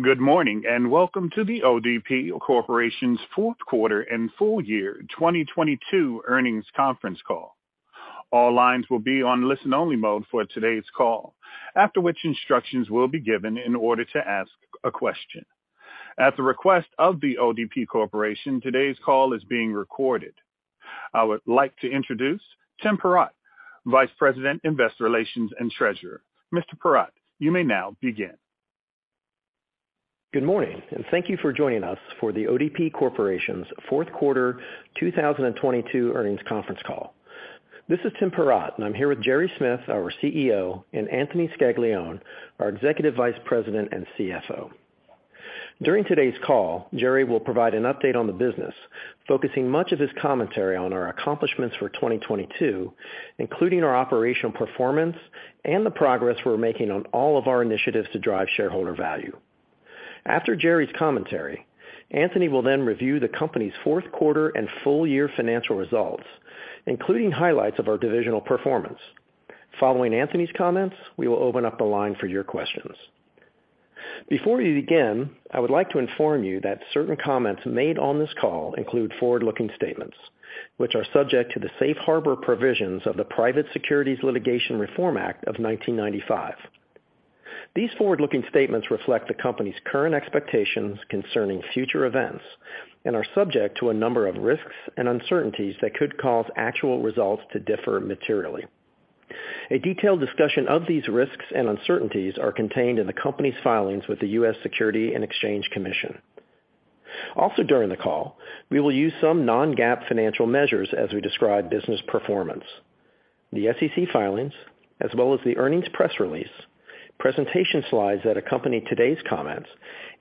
Good morning, and welcome to The ODP Corporation's fourth quarter and full year 2022 earnings conference call. All lines will be on listen-only mode for today's call, after which instructions will be given in order to ask a question. At the request of The ODP Corporation, today's call is being recorded. I would like to introduce Tim Perrott, Vice President, Investor Relations, and Treasurer. Mr. Perrott, you may now begin. Good morning, thank you for joining us for The ODP Corporation's fourth quarter 2022 earnings conference call. This is Tim Perrott, and I'm here with Gerry Smith, our CEO, and Anthony Scaglione, our Executive Vice President and Chief Financial Officer. During today's call, Gerry will provide an update on the business, focusing much of his commentary on our accomplishments for 2022, including our operational performance and the progress we're making on all of our initiatives to drive shareholder value. After Gerry's commentary, Anthony will then review the company's fourth quarter and full year financial results, including highlights of our divisional performance. Following Anthony's comments, we will open up the line for your questions. Before we begin, I would like to inform you that certain comments made on this call include forward-looking statements, which are subject to the safe harbor provisions of the Private Securities Litigation Reform Act of 1995. These forward-looking statements reflect the company's current expectations concerning future events and are subject to a number of risks and uncertainties that could cause actual results to differ materially. A detailed discussion of these risks and uncertainties are contained in the company's filings with the U.S. Securities and Exchange Commission. During the call, we will use some non-GAAP financial measures as we describe business performance. The SEC filings, as well as the earnings press release, presentation Slides that accompany today's comments,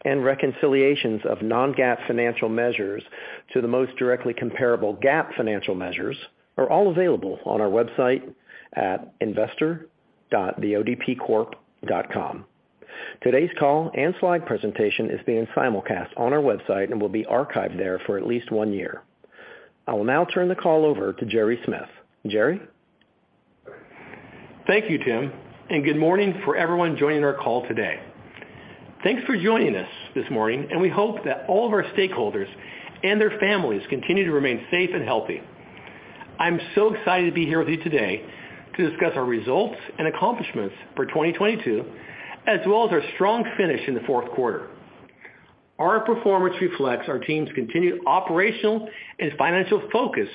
and reconciliations of non-GAAP financial measures to the most directly comparable GAAP financial measures, are all available on our website at investor.theodpcorp.com. Today's call and Slide presentation is being simulcast on our website and will be archived there for at least one year. I will now turn the call over to Gerry Smith. Gerry. Thank you, Tim, and good morning for everyone joining our call today. Thanks for joining us this morning, and we hope that all of our stakeholders and their families continue to remain safe and healthy. I'm so excited to be here with you today to discuss our results and accomplishments for 2022, as well as our strong finish in the fourth quarter. Our performance reflects our team's continued operational and financial focus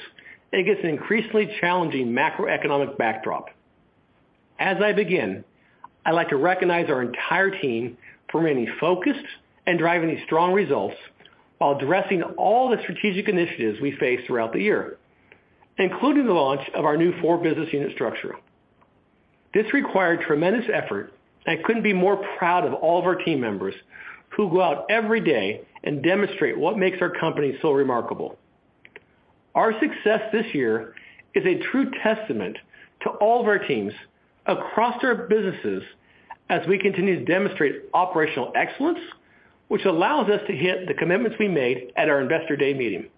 against an increasingly challenging macroeconomic backdrop. As I begin, I'd like to recognize our entire team for remaining focused and driving these strong results while addressing all the strategic initiatives we face throughout the year, including the launch of our new four business unit structure. This required tremendous effort, and I couldn't be more proud of all of our team members who go out every day and demonstrate what makes our company so remarkable. Our success this year is a true testament to all of our teams across our businesses as we continue to demonstrate operational excellence, which allows us to hit the commitments we made at our Investor Day meeting.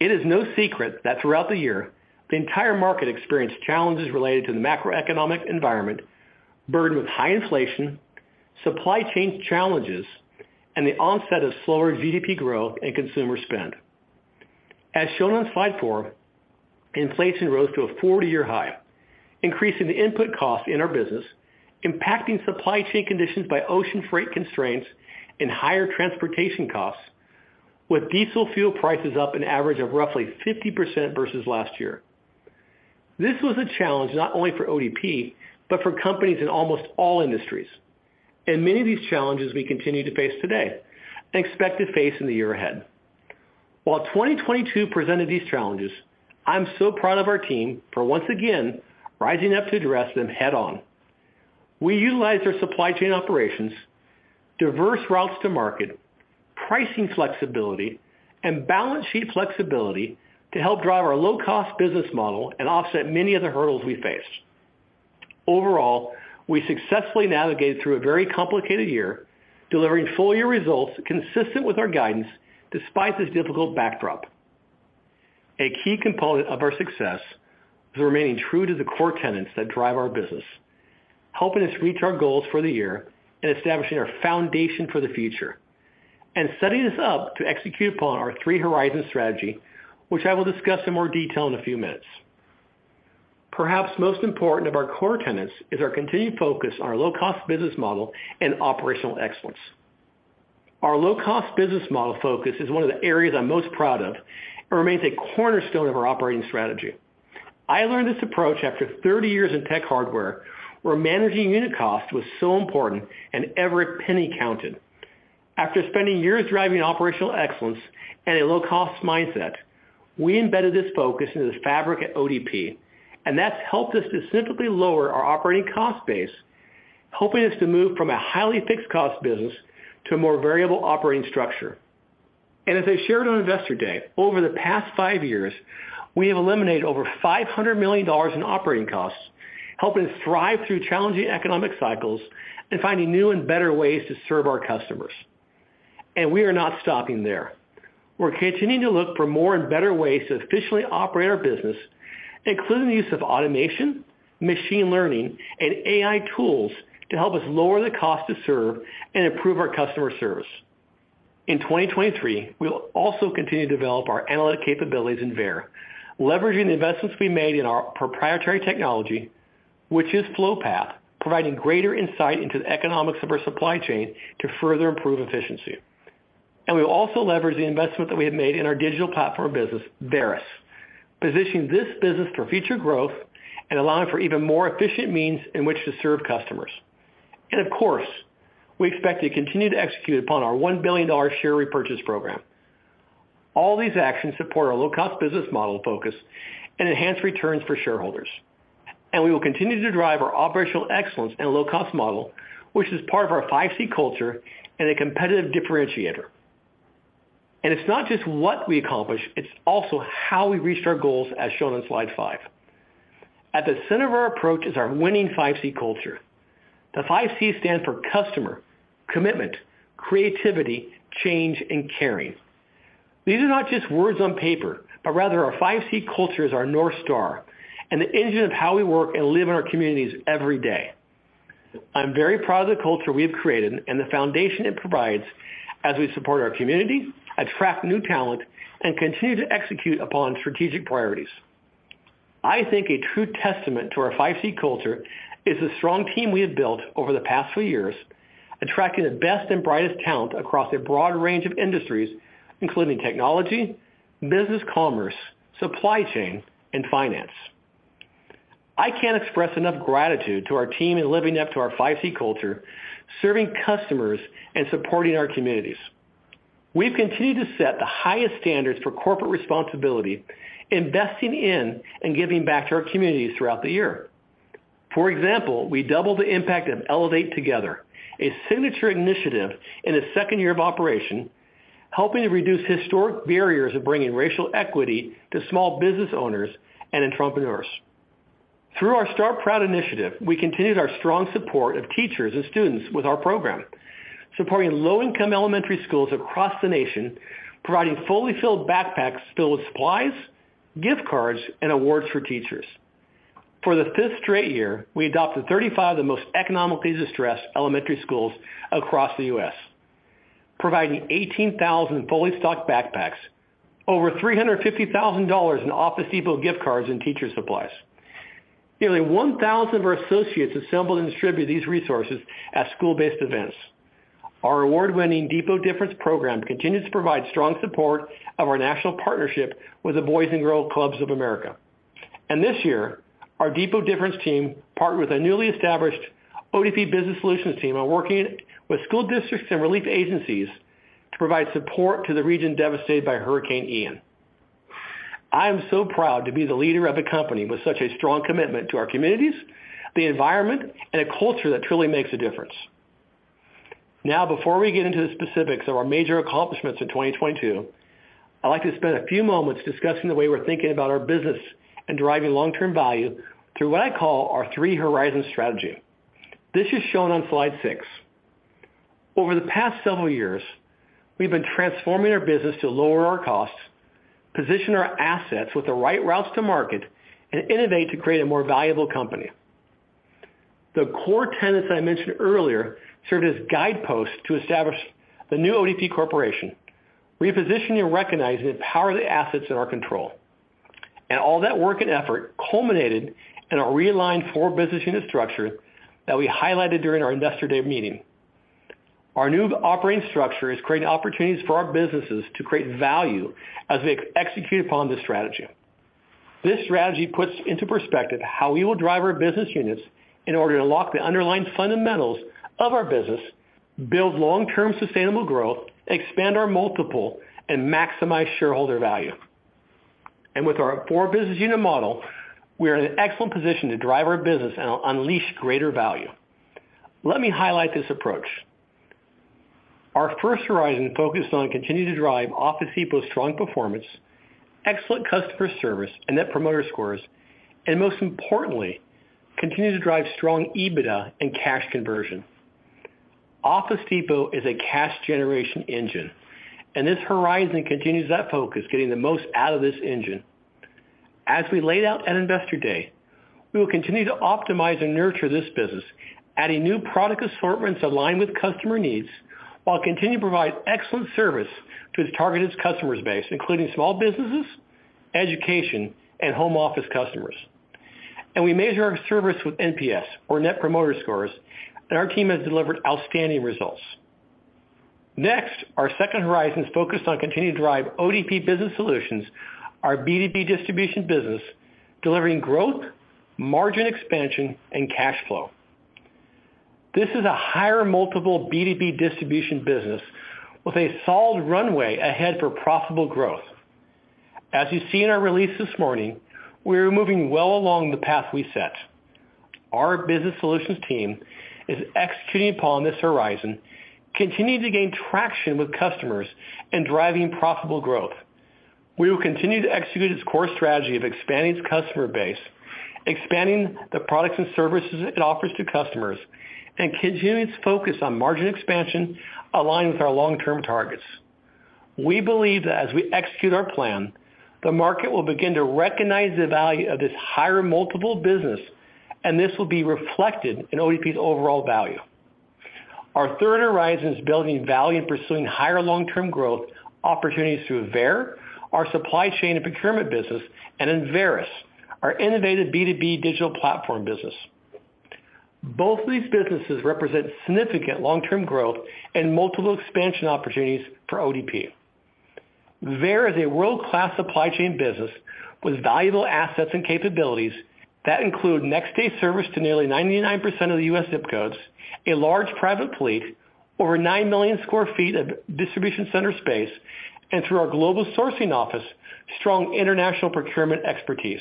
It is no secret that throughout the year, the entire market experienced challenges related to the macroeconomic environment burdened with high inflation, supply chain challenges, and the onset of slower GDP growth and consumer spend. As shown on Slide 4, inflation rose to a 40-year high, increasing the input cost in our business, impacting supply chain conditions by ocean freight constraints and higher transportation costs with diesel fuel prices up an average of roughly 50% versus last year. This was a challenge not only for ODP, but for companies in almost all industries. Many of these challenges we continue to face today and expect to face in the year ahead. While 2022 presented these challenges, I'm so proud of our team for once again rising up to address them head on. We utilized our supply chain operations, diverse routes to market, pricing flexibility, and balance sheet flexibility to help drive our low-cost business model and offset many of the hurdles we faced. Overall, we successfully navigated through a very complicated year, delivering full year results consistent with our guidance despite this difficult backdrop. A key component of our success is remaining true to the core tenets that drive our business, helping us reach our goals for the year and establishing our foundation for the future, and setting us up to execute upon our Three Horizons strategy, which I will discuss in more detail in a few minutes. Perhaps most important of our core tenets is our continued focus on our low-cost business model and operational excellence. Our low-cost business model focus is one of the areas I'm most proud of and remains a cornerstone of our operating strategy. I learned this approach after 30 years in tech hardware, where managing unit cost was so important and every penny counted. After spending years driving operational excellence and a low-cost mindset, we embedded this focus into the fabric at ODP, and that's helped us to significantly lower our operating cost base, helping us to move from a highly fixed cost business to a more variable operating structure. As I shared on Investor Day, over the past five years, we have eliminated over $500 million in operating costs, helping us thrive through challenging economic cycles and finding new and better ways to serve our customers. We are not stopping there. We're continuing to look for more and better ways to efficiently operate our business, including the use of automation, machine learning, and AI tools to help us lower the cost to serve and improve our customer service. In 2023, we'll also continue to develop our analytic capabilities in Veyer, leveraging the investments we made in our proprietary technology, which is Flowpath, providing greater insight into the economics of our supply chain to further improve efficiency. We'll also leverage the investment that we have made in our digital platform business, Varis, positioning this business for future growth and allowing for even more efficient means in which to serve customers. Of course, we expect to continue to execute upon our $1 billion share repurchase program. All these actions support our low-cost business model focus and enhance returns for shareholders. We will continue to drive our operational excellence and low-cost model, which is part of our 5C Culture and a competitive differentiator. It's not just what we accomplish, it's also how we reached our goals as shown on Slide five. At the center of our approach is our winning 5C Culture. The five Cs stand for customer, commitment, creativity, change, and caring. These are not just words on paper, but rather our 5C Culture is our North Star and the engine of how we work and live in our communities every day. I'm very proud of the culture we have created and the foundation it provides as we support our community, attract new talent, and continue to execute upon strategic priorities. I think a true testament to our 5C Culture is the strong team we have built over the past few years, attracting the best and brightest talent across a broad range of industries, including technology, business commerce, supply chain, and finance. I can't express enough gratitude to our team in living up to our 5C Culture, serving customers and supporting our communities. We've continued to set the highest standards for corporate responsibility, investing in and giving back to our communities throughout the year. For example, we doubled the impact of Elevate Together, a signature initiative in its second year of operation, helping to reduce historic barriers of bringing racial equity to small business owners and entrepreneurs. Through our Start Proud initiative, we continued our strong support of teachers and students with our program, supporting low-income elementary schools across the nation, providing fully filled backpacks filled with supplies, gift cards, and awards for teachers. For the fifth straight year, we adopted 35 of the most economically distressed elementary schools across the U.S., providing 18,000 fully stocked backpacks, over $350,000 in Office Depot gift cards and teacher supplies. Nearly 1,000 of our associates assembled and distributed these resources at school-based events. Our award-winning Depot Difference program continues to provide strong support of our national partnership with the Boys & Girls Clubs of America. This year, our Depot Difference team partnered with a newly established ODP Business Solutions team on working with school districts and relief agencies to provide support to the region devastated by Hurricane Ian. I am so proud to be the leader of the company with such a strong commitment to our communities, the environment, and a culture that truly makes a difference. Now, before we get into the specifics of our major accomplishments in 2022, I'd like to spend a few moments discussing the way we're thinking about our business and driving long-term value through what I call our Three Horizons strategy. This is shown on Slide six. Over the past several years, we've been transforming our business to lower our costs, position our assets with the right routes to market, and innovate to create a more valuable company. The core tenets that I mentioned earlier serve as guideposts to establish the new ODP Corporation, repositioning and recognizing the power of the assets in our control. All that work and effort culminated in a realigned four business unit structure that we highlighted during our Investor Day meeting. Our new operating structure is creating opportunities for our businesses to create value as we execute upon this strategy. This strategy puts into perspective how we will drive our business units in order to unlock the underlying fundamentals of our business, build long-term sustainable growth, expand our multiple, and maximize shareholder value. With our four business unit model, we are in an excellent position to drive our business and unleash greater value. Let me highlight this approach. Our first horizon focused on continuing to drive Office Depot's strong performance, excellent customer service, and net promoter scores, and most importantly, continue to drive strong EBITDA and cash conversion. Office Depot is a cash generation engine, and this horizon continues that focus, getting the most out of this engine. As we laid out at Investor Day, we will continue to optimize and nurture this business, adding new product assortments aligned with customer needs, while continuing to provide excellent service to its targeted customers base, including small businesses, education, and home office customers. We measure our service with NPS or net promoter scores, and our team has delivered outstanding results. Next, our second horizon is focused on continuing to drive ODP Business Solutions, our B2B distribution business, delivering growth, margin expansion, and cash flow. This is a higher multiple B2B distribution business with a solid runway ahead for profitable growth. As you see in our release this morning, we are moving well along the path we set. Our ODP Business Solutions team is executing upon this horizon, continuing to gain traction with customers and driving profitable growth. We will continue to execute its core strategy of expanding its customer base, expanding the products and services it offers to customers, and continuing its focus on margin expansion aligned with our long-term targets. We believe that as we execute our plan, the market will begin to recognize the value of this higher multiple business, and this will be reflected in ODP's overall value. Our third horizon is building value and pursuing higher long-term growth opportunities through Veyer, our supply chain and procurement business, and in Varis, our innovative B2B digital platform business. Both of these businesses represent significant long-term growth and multiple expansion opportunities for ODP. Veyer is a world-class supply chain business with valuable assets and capabilities that include next-day service to nearly 99% of the U.S. ZIP codes, a large private fleet, over 9 million sq ft of distribution center space, and through our global sourcing office, strong international procurement expertise.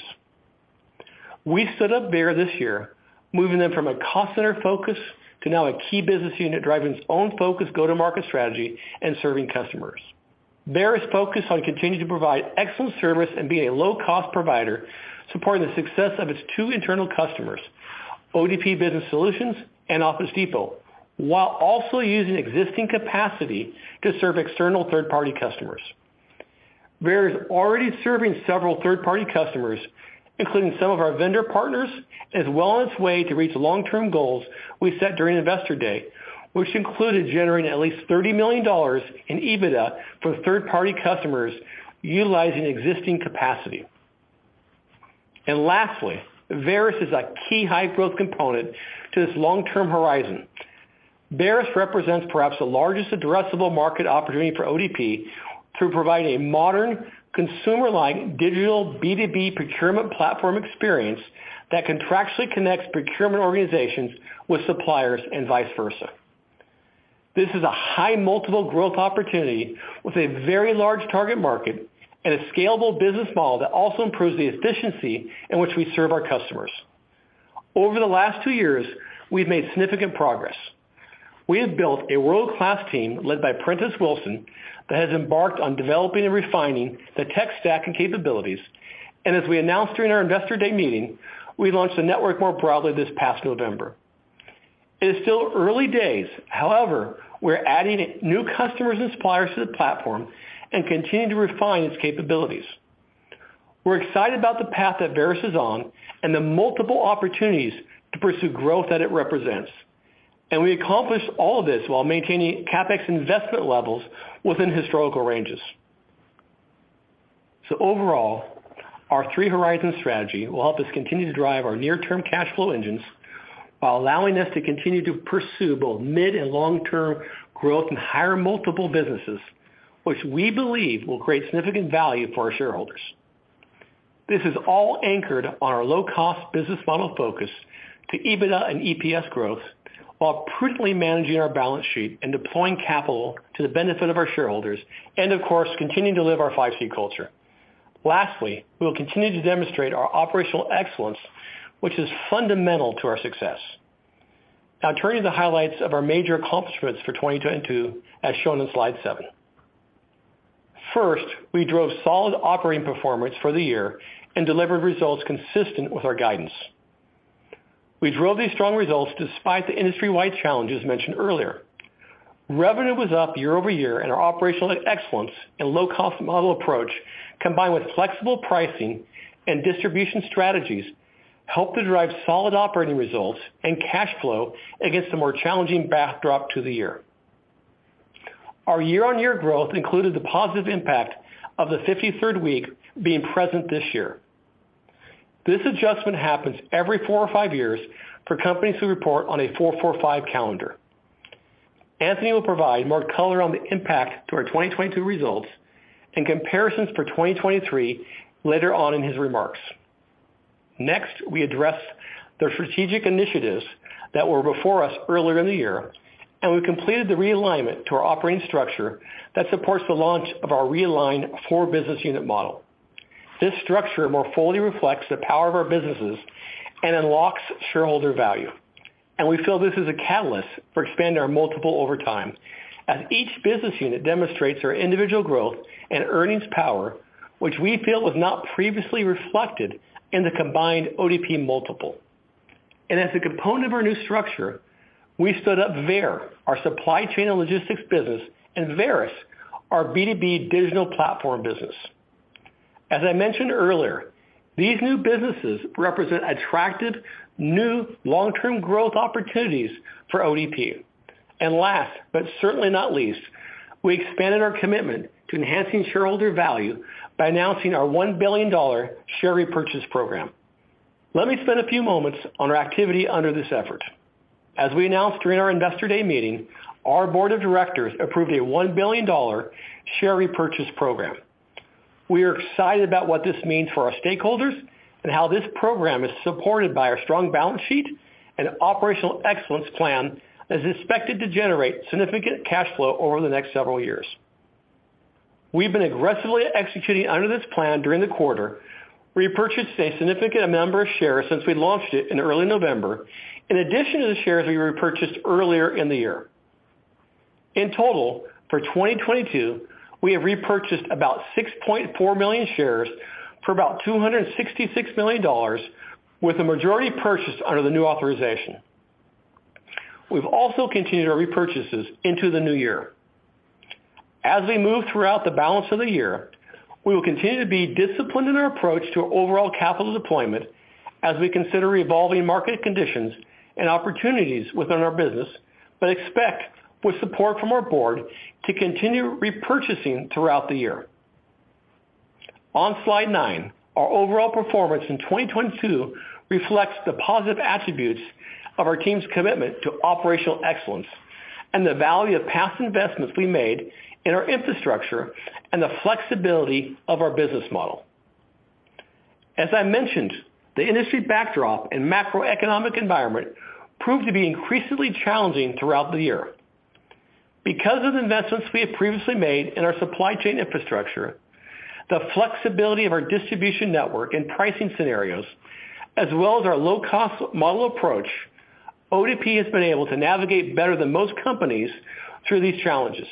We stood up Veyer this year, moving them from a call center focus to now a key business unit driving its own focus go-to-market strategy and serving customers. Veyer is focused on continuing to provide excellent service and being a low-cost provider, supporting the success of its two internal customers, ODP Business Solutions and Office Depot, while also using existing capacity to serve external third-party customers. Veyer is already serving several third-party customers, including some of our vendor partners, and is well on its way to reach long-term goals we set during Investor Day, which included generating at least $30 million in EBITDA for third-party customers utilizing existing capacity. Lastly, Varis is a key high-growth component to this long-term horizon. Varis represents perhaps the largest addressable market opportunity for ODP through providing a modern, consumer-like digital B2B procurement platform experience that contractually connects procurement organizations with suppliers and vice versa. This is a high multiple growth opportunity with a very large target market and a scalable business model that also improves the efficiency in which we serve our customers. Over the last two years, we've made significant progress. We have built a world-class team led by Prentis Wilson that has embarked on developing and refining the tech stack and capabilities. As we announced during our Investor Day meeting, we launched the network more broadly this past November. It is still early days. However, we're adding new customers and suppliers to the platform and continue to refine its capabilities. We're excited about the path that Varis is on and the multiple opportunities to pursue growth that it represents. We accomplish all of this while maintaining CapEx investment levels within historical ranges. Overall, our three horizon strategy will help us continue to drive our near-term cash flow engines while allowing us to continue to pursue both mid and long-term growth and higher multiple businesses, which we believe will create significant value for our shareholders. This is all anchored on our low-cost business model focus to EBITDA and EPS growth while prudently managing our balance sheet and deploying capital to the benefit of our shareholders and of course, continuing to live our 5C Culture. We will continue to demonstrate our operational excellence, which is fundamental to our success. Turning to the highlights of our major accomplishments for 2022 as shown on Slide 7. We drove solid operating performance for the year and delivered results consistent with our guidance. We drove these strong results despite the industry-wide challenges mentioned earlier. Revenue was up year-over-year and our operational excellence and low-cost model approach, combined with flexible pricing and distribution strategies, helped to drive solid operating results and cash flow against a more challenging backdrop to the year. Our year-on-year growth included the positive impact of the 53rd week being present this year. This adjustment happens every 4 or 5 years for companies who report on a 4-4-5 calendar. Anthony will provide more color on the impact to our 2022 results and comparisons for 2023 later on in his remarks. Next, we address the strategic initiatives that were before us earlier in the year, we completed the realignment to our operating structure that supports the launch of our realigned four business unit model. This structure more fully reflects the power of our businesses and unlocks shareholder value. We feel this is a catalyst for expanding our multiple over time as each business unit demonstrates their individual growth and earnings power, which we feel was not previously reflected in the combined ODP multiple. As a component of our new structure, we stood up Veyer, our supply chain and logistics business, and Varis, our B2B digital platform business. As I mentioned earlier, these new businesses represent attractive, new long-term growth opportunities for ODP. Last, but certainly not least, we expanded our commitment to enhancing shareholder value by announcing our $1 billion share repurchase program. Let me spend a few moments on our activity under this effort. As we announced during our Investor Day meeting, our board of directors approved a $1 billion share repurchase program. We are excited about what this means for our stakeholders and how this program is supported by our strong balance sheet and operational excellence plan is expected to generate significant cash flow over the next several years. We've been aggressively executing under this plan during the quarter. We repurchased a significant number of shares since we launched it in early November, in addition to the shares we repurchased earlier in the year. In total, for 2022, we have repurchased about 6.4 million shares for about $266 million with the majority purchased under the new authorization. We've also continued our repurchases into the new year. As we move throughout the balance of the year, we will continue to be disciplined in our approach to overall capital deployment as we consider evolving market conditions and opportunities within our business, but expect with support from our board to continue repurchasing throughout the year. On Slide 9, our overall performance in 2022 reflects the positive attributes of our team's commitment to operational excellence and the value of past investments we made in our infrastructure and the flexibility of our business model. As I mentioned, the industry backdrop and macroeconomic environment proved to be increasingly challenging throughout the year. Because of the investments we have previously made in our supply chain infrastructure, the flexibility of our distribution network and pricing scenarios, as well as our low-cost model approach, ODP has been able to navigate better than most companies through these challenges.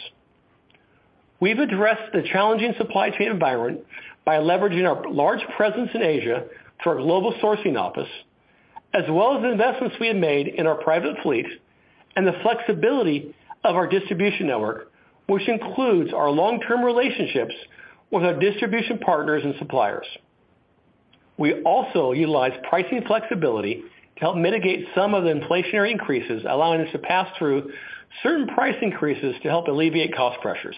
We've addressed the challenging supply chain environment by leveraging our large presence in Asia through our global sourcing office, as well as the investments we have made in our private fleet and the flexibility of our distribution network, which includes our long-term relationships with our distribution partners and suppliers. We also utilize pricing flexibility to help mitigate some of the inflationary increases, allowing us to pass through certain price increases to help alleviate cost pressures.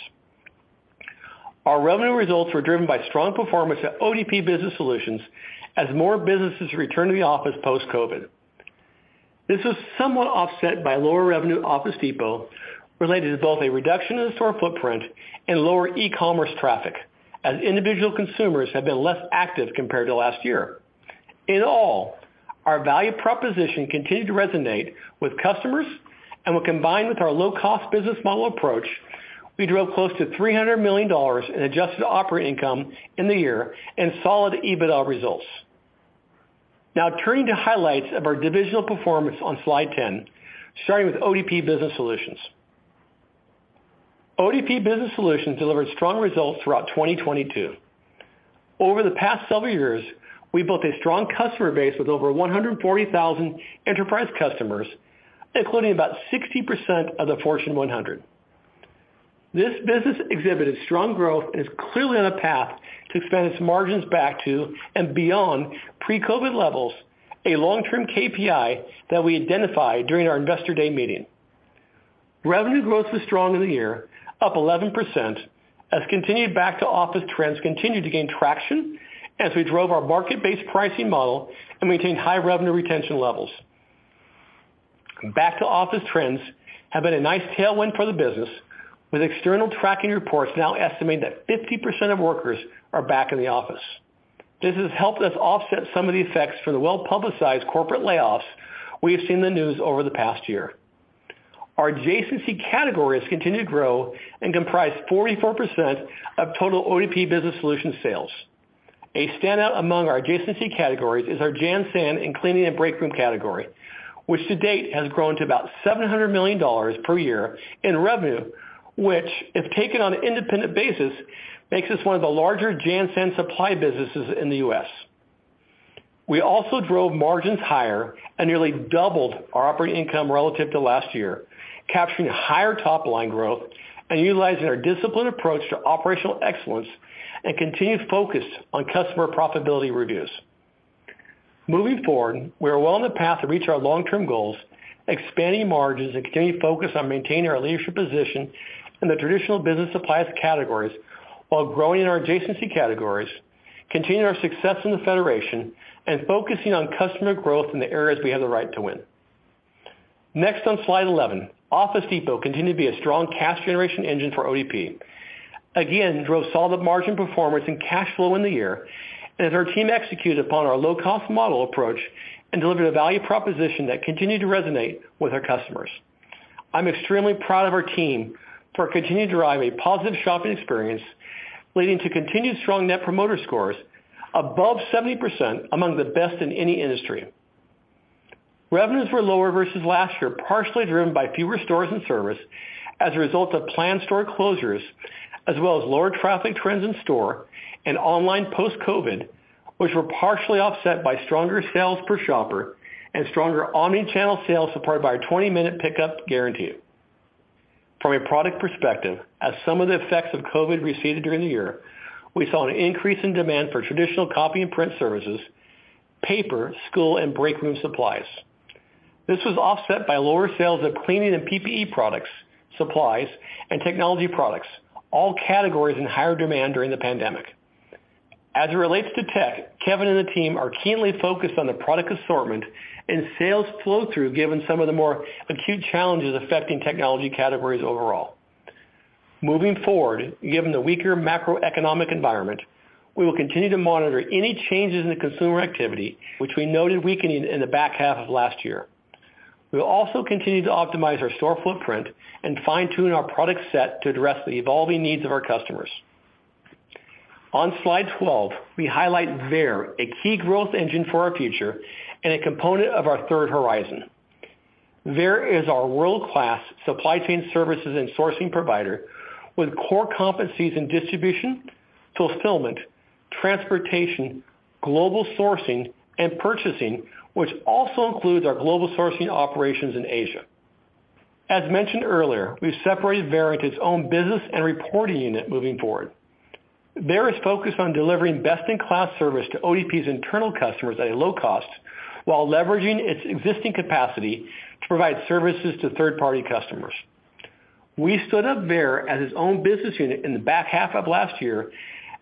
Our revenue results were driven by strong performance at ODP Business Solutions as more businesses return to the office post-COVID. This was somewhat offset by lower revenue at Office Depot related to both a reduction in the store footprint and lower e-commerce traffic, as individual consumers have been less active compared to last year. In all, our value proposition continued to resonate with customers and when combined with our low-cost business model approach, we drove close to $300 million in adjusted operating income in the year and solid EBITDA results. Turning to highlights of our divisional performance on Slide 10, starting with ODP Business Solutions. ODP Business Solutions delivered strong results throughout 2022. Over the past several years, we built a strong customer base with over 140,000 enterprise customers, including about 60% of the Fortune 100. This business exhibited strong growth and is clearly on a path to expand its margins back to and beyond pre-COVID levels, a long-term KPI that we identified during our Investor Day meeting. Revenue growth was strong in the year, up 11%, as continued back to office trends continued to gain traction as we drove our market-based pricing model and maintained high revenue retention levels. Back to office trends have been a nice tailwind for the business, with external tracking reports now estimating that 50% of workers are back in the office. This has helped us offset some of the effects for the well-publicized corporate layoffs we have seen in the news over the past year. Our adjacency categories continue to grow and comprise 44% of total ODP Business Solutions sales. A standout among our adjacency categories is our JanSan and cleaning and break room category, which to date has grown to about $700 million per year in revenue, which, if taken on an independent basis, makes us one of the larger JanSan supply businesses in the U.S. We also drove margins higher and nearly doubled our operating income relative to last year, capturing higher top-line growth and utilizing our disciplined approach to operational excellence and continued focus on customer profitability reviews. Moving forward, we are well on the path to reach our long-term goals, expanding margins and continuing focus on maintaining our leadership position in the traditional business supplies categories while growing in our adjacency categories, continuing our success in the Federation and focusing on customer growth in the areas we have the right to win. Next on Slide 11, Office Depot continued to be a strong cash generation engine for ODP. Drove solid margin performance and cash flow in the year as our team executed upon our low-cost model approach and delivered a value proposition that continued to resonate with our customers. I'm extremely proud of our team for continuing to drive a positive shopping experience, leading to continued strong net promoter scores above 70% among the best in any industry. Revenues were lower versus last year, partially driven by fewer stores and service as a result of planned store closures as well as lower traffic trends in store and online post-COVID, which were partially offset by stronger sales per shopper and stronger omni-channel sales supported by our 20-minute pickup guarantee. From a product perspective, as some of the effects of COVID receded during the year, we saw an increase in demand for traditional copy and print services, paper, school, and break room supplies. This was offset by lower sales of cleaning and PPE products, supplies, and technology products, all categories in higher demand during the pandemic. As it relates to tech, Kevin and the team are keenly focused on the product assortment and sales flow-through, given some of the more acute challenges affecting technology categories overall. Moving forward, given the weaker macroeconomic environment, we will continue to monitor any changes in the consumer activity which we noted weakening in the back half of last year. We'll also continue to optimize our store footprint and fine-tune our product set to address the evolving needs of our customers. On Slide 12, we highlight Veyer, a key growth engine for our future and a component of our third horizon. Veyer is our world-class supply chain services and sourcing provider with core competencies in distribution, fulfillment, transportation, global sourcing, and purchasing, which also includes our global sourcing operations in Asia. As mentioned earlier, we've separated Veyer into its own business and reporting unit moving forward. Veyer is focused on delivering best-in-class service to ODP's internal customers at a low cost while leveraging its existing capacity to provide services to third-party customers. We stood up Veyer as its own business unit in the back half of last year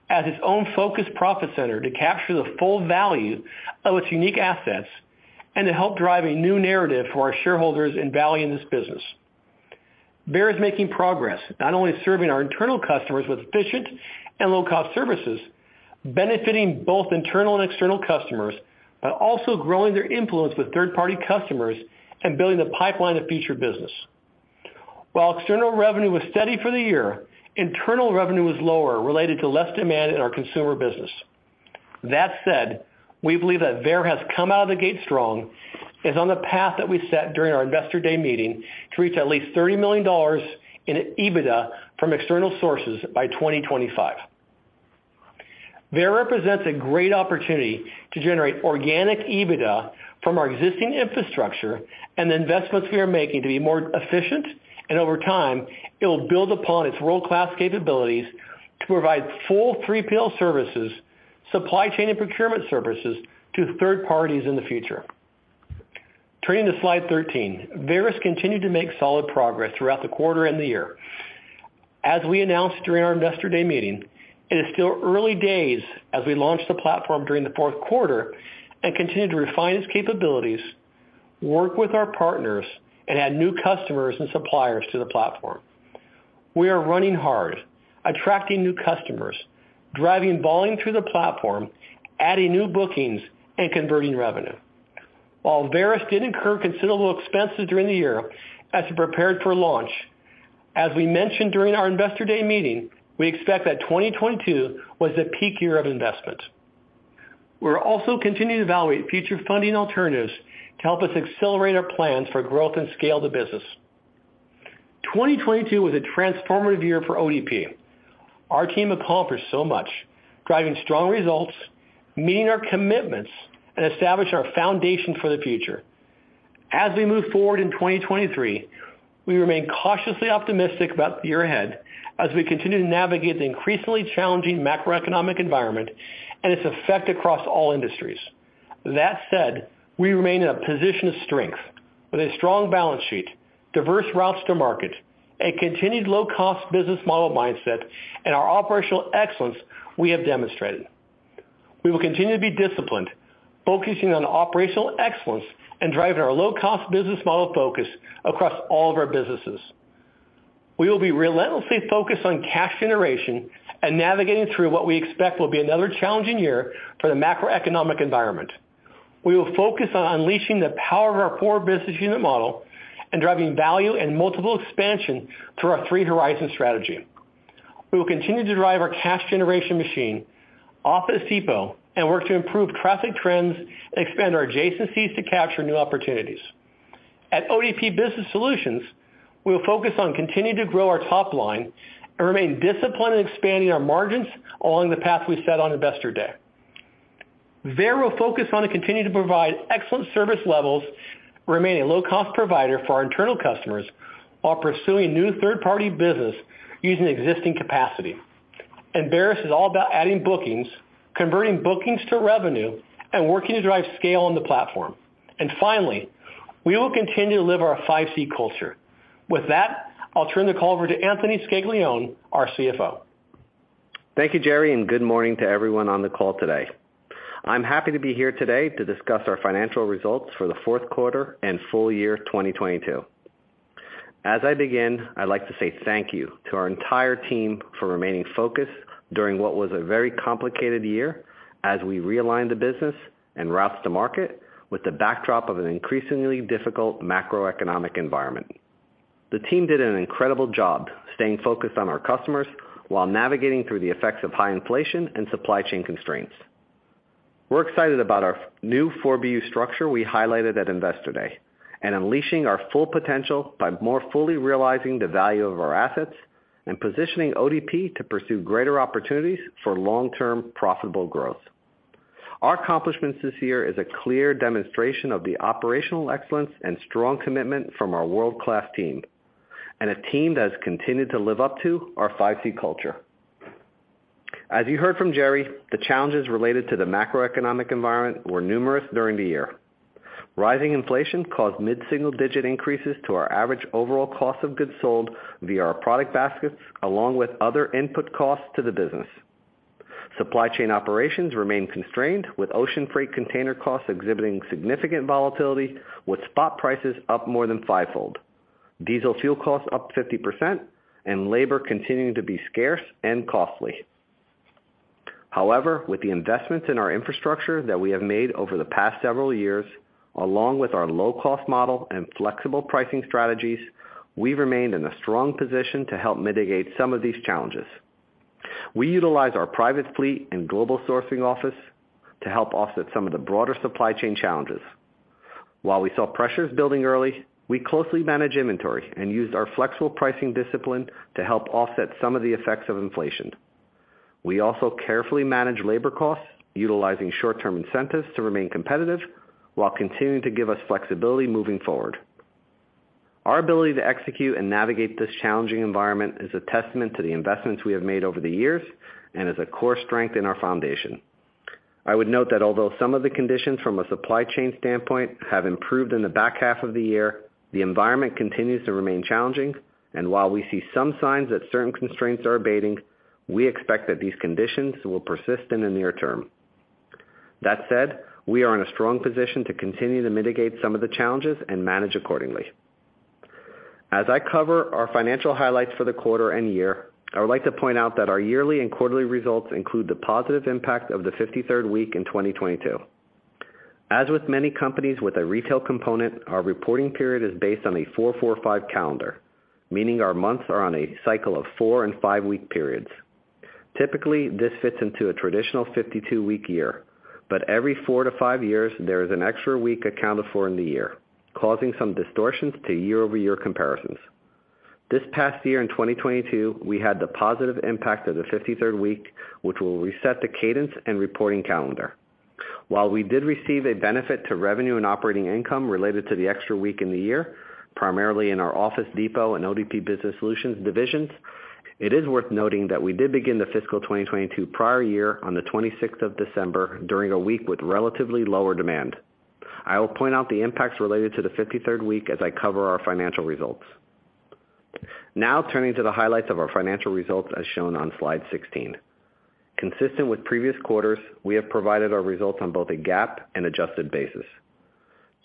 as its own focused profit center to capture the full value of its unique assets and to help drive a new narrative for our shareholders in valuing this business. Veyer is making progress, not only serving our internal customers with efficient and low-cost services, benefiting both internal and external customers, but also growing their influence with third-party customers and building the pipeline of future business. While external revenue was steady for the year, internal revenue was lower related to less demand in our consumer business. That said, we believe that Veyer has come out of the gate strong, is on the path that we set during our Investor Day meeting to reach at least $30 million in EBITDA from external sources by 2025. Varis represents a great opportunity to generate organic EBITDA from our existing infrastructure and the investments we are making to be more efficient, and over time, it will build upon its world-class capabilities to provide full 3PL services, supply chain and procurement services to third parties in the future. Turning to Slide 13, Varis continued to make solid progress throughout the quarter and the year. As we announced during our Investor Day meeting, it is still early days as we launched the platform during the fourth quarter and continue to refine its capabilities, work with our partners, and add new customers and suppliers to the platform. We are running hard, attracting new customers, driving volume through the platform, adding new bookings, and converting revenue. While Varis did incur considerable expenses during the year as it prepared for launch, as we mentioned during our Investor Day meeting, we expect that 2022 was the peak year of investment. We're also continuing to evaluate future funding alternatives to help us accelerate our plans for growth and scale the business. 2022 was a transformative year for ODP. Our team accomplished so much, driving strong results, meeting our commitments, and establishing our foundation for the future. As we move forward in 2023, we remain cautiously optimistic about the year ahead as we continue to navigate the increasingly challenging macroeconomic environment and its effect across all industries. That said, we remain in a position of strength with a strong balance sheet, diverse routes to market, a continued low-cost business model mindset, and our operational excellence we have demonstrated. We will continue to be disciplined, focusing on operational excellence and driving our low-cost business model focus across all of our businesses. We will be relentlessly focused on cash generation and navigating through what we expect will be another challenging year for the macroeconomic environment. We will focus on unleashing the power of our core business unit model and driving value and multiple expansion through our three horizon strategy. We will continue to drive our cash generation machine, Office Depot, and work to improve traffic trends and expand our adjacencies to capture new opportunities. At ODP Business Solutions, we will focus on continuing to grow our top line and remain disciplined in expanding our margins along the path we set on Investor Day. Veyer will focus on and continue to provide excellent service levels, remain a low-cost provider for our internal customers while pursuing new third-party business using existing capacity. Varis is all about adding bookings, converting bookings to revenue, and working to drive scale on the platform. Finally, we will continue to live our 5C Culture. With that, I'll turn the call over to Anthony Scaglione, our CFO. Thank you, Gerry, and good morning to everyone on the call today. I'm happy to be here today to discuss our financial results for the fourth quarter and full year 2022. As I begin, I'd like to say thank you to our entire team for remaining focused during what was a very complicated year as we realigned the business and routes to market with the backdrop of an increasingly difficult macroeconomic environment. The team did an incredible job staying focused on our customers while navigating through the effects of high inflation and supply chain constraints. We're excited about our new four BU structure we highlighted at Investor Day and unleashing our full potential by more fully realizing the value of our assets and positioning ODP to pursue greater opportunities for long-term profitable growth. Our accomplishments this year is a clear demonstration of the operational excellence and strong commitment from our world-class team, and a team that has continued to live up to our 5C Culture. As you heard from Gerry, the challenges related to the macroeconomic environment were numerous during the year. Rising inflation caused mid-single-digit increases to our average overall cost of goods sold via our product baskets, along with other input costs to the business. Supply chain operations remain constrained, with ocean freight container costs exhibiting significant volatility, with spot prices up more than 5-fold. Diesel fuel costs up 50%, and labor continuing to be scarce and costly. However, with the investments in our infrastructure that we have made over the past several years, along with our low-cost model and flexible pricing strategies. We remained in a strong position to help mitigate some of these challenges. We utilize our private fleet and global sourcing office to help offset some of the broader supply chain challenges. While we saw pressures building early, we closely manage inventory and used our flexible pricing discipline to help offset some of the effects of inflation. We also carefully manage labor costs, utilizing short-term incentives to remain competitive while continuing to give us flexibility moving forward. Our ability to execute and navigate this challenging environment is a testament to the investments we have made over the years and is a core strength in our foundation. I would note that although some of the conditions from a supply chain standpoint have improved in the back half of the year, the environment continues to remain challenging, and while we see some signs that certain constraints are abating, we expect that these conditions will persist in the near term. That said, we are in a strong position to continue to mitigate some of the challenges and manage accordingly. As I cover our financial highlights for the quarter and year, I would like to point out that our yearly and quarterly results include the positive impact of the 53rd week in 2022. As with many companies with a retail component, our reporting period is based on a 4-4-5 calendar, meaning our months are on a cycle of four and five-week periods. Typically, this fits into a traditional 52-week year, but every four to five years, there is an extra week accounted for in the year, causing some distortions to year-over-year comparisons. This past year in 2022, we had the positive impact of the 53rd week, which will reset the cadence and reporting calendar. While we did receive a benefit to revenue and operating income related to the extra week in the year, primarily in our Office Depot and ODP Business Solutions divisions, it is worth noting that we did begin the fiscal 2022 prior year on the 26th of December during a week with relatively lower demand. I will point out the impacts related to the 53rd week as I cover our financial results. Turning to the highlights of our financial results as shown on Slide 16. Consistent with previous quarters, we have provided our results on both a GAAP and adjusted basis.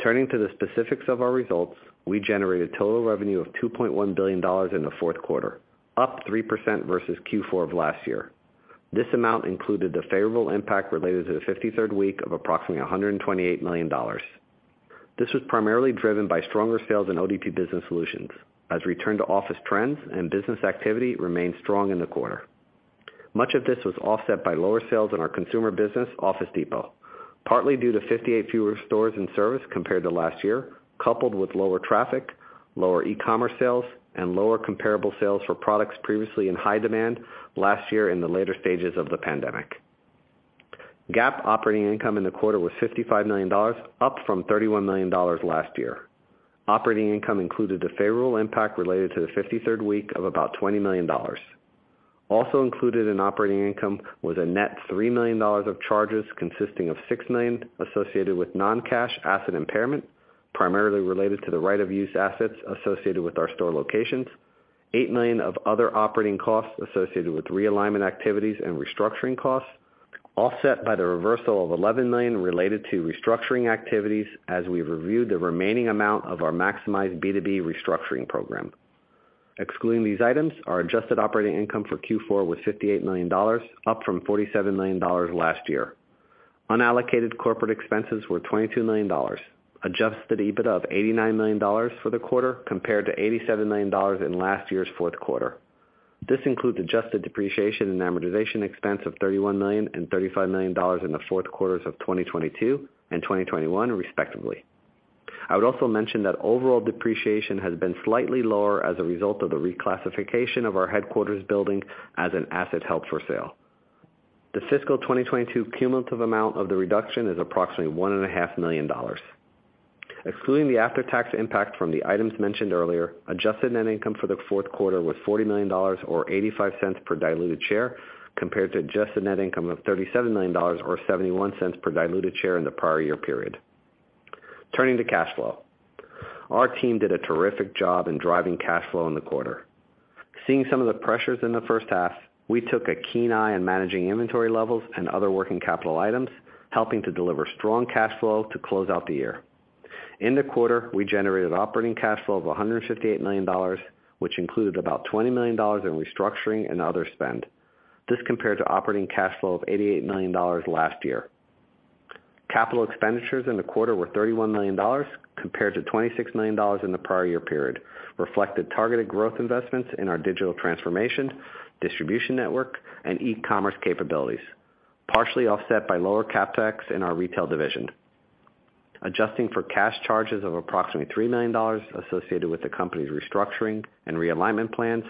Turning to the specifics of our results, we generated total revenue of $2.1 billion in the fourth quarter, up 3% versus Q4 of last year. This amount included the favorable impact related to the 53rd week of approximately $128 million. This was primarily driven by stronger sales in ODP Business Solutions as return to office trends and business activity remained strong in the quarter. Much of this was offset by lower sales in our consumer business, Office Depot, partly due to 58 fewer stores in service compared to last year, coupled with lower traffic, lower e-commerce sales, and lower comparable sales for products previously in high demand last year in the later stages of the pandemic. GAAP operating income in the quarter was $55 million, up from $31 million last year. Operating income included the favorable impact related to the 53rd week of about $20 million. Also included in operating income was a net $3 million of charges consisting of $6 million associated with non-cash asset impairment, primarily related to the right-of-use assets associated with our store locations, $8 million of other operating costs associated with realignment activities and restructuring costs, offset by the reversal of $11 million related to restructuring activities as we reviewed the remaining amount of our Maximize B2B restructuring program. Excluding these items, our adjusted operating income for Q4 was $58 million, up from $47 million last year. Unallocated corporate expenses were $22 million. Adjusted EBITDA of $89 million for the quarter compared to $87 million in last year's fourth quarter. This includes adjusted depreciation and amortization expense of $31 million and $35 million in the fourth quarters of 2022 and 2021, respectively. I would also mention that overall depreciation has been slightly lower as a result of the reclassification of our headquarters building as an asset held for sale. The fiscal 2022 cumulative amount of the reduction is approximately one and a half million dollars. Excluding the after-tax impact from the items mentioned earlier, adjusted net income for the fourth quarter was $40 million or $0.85 per diluted share compared to adjusted net income of $37 million or $0.71 per diluted share in the prior year period. Turning to cash flow. Our team did a terrific job in driving cash flow in the quarter. Seeing some of the pressures in the first half, we took a keen eye in managing inventory levels and other working capital items, helping to deliver strong cash flow to close out the year. In the quarter, we generated operating cash flow of $158 million, which included about $20 million in restructuring and other spend. This compared to operating cash flow of $88 million last year. Capital expenditures in the quarter were $31 million compared to $26 million in the prior year period, reflected targeted growth investments in our digital transformation, distribution network, and e-commerce capabilities, partially offset by lower CapEx in our retail division. Adjusting for cash charges of approximately $3 million associated with the company's restructuring and realignment plans,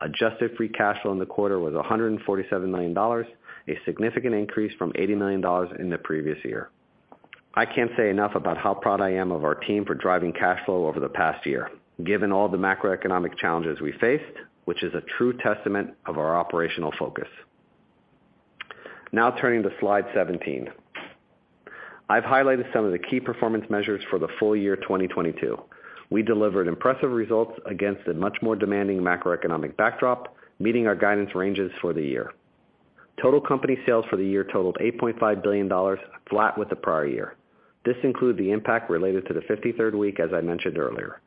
adjusted free cash flow in the quarter was $147 million, a significant increase from $80 million in the previous year. I can't say enough about how proud I am of our team for driving cash flow over the past year, given all the macroeconomic challenges we faced, which is a true testament of our operational focus. Turning to Slide 17. I've highlighted some of the key performance measures for the full year 2022. We delivered impressive results against a much more demanding macroeconomic backdrop, meeting our guidance ranges for the year. Total company sales for the year totaled $8.5 billion, flat with the prior year. This includes the impact related to the 53rd week, as I mentioned earlier.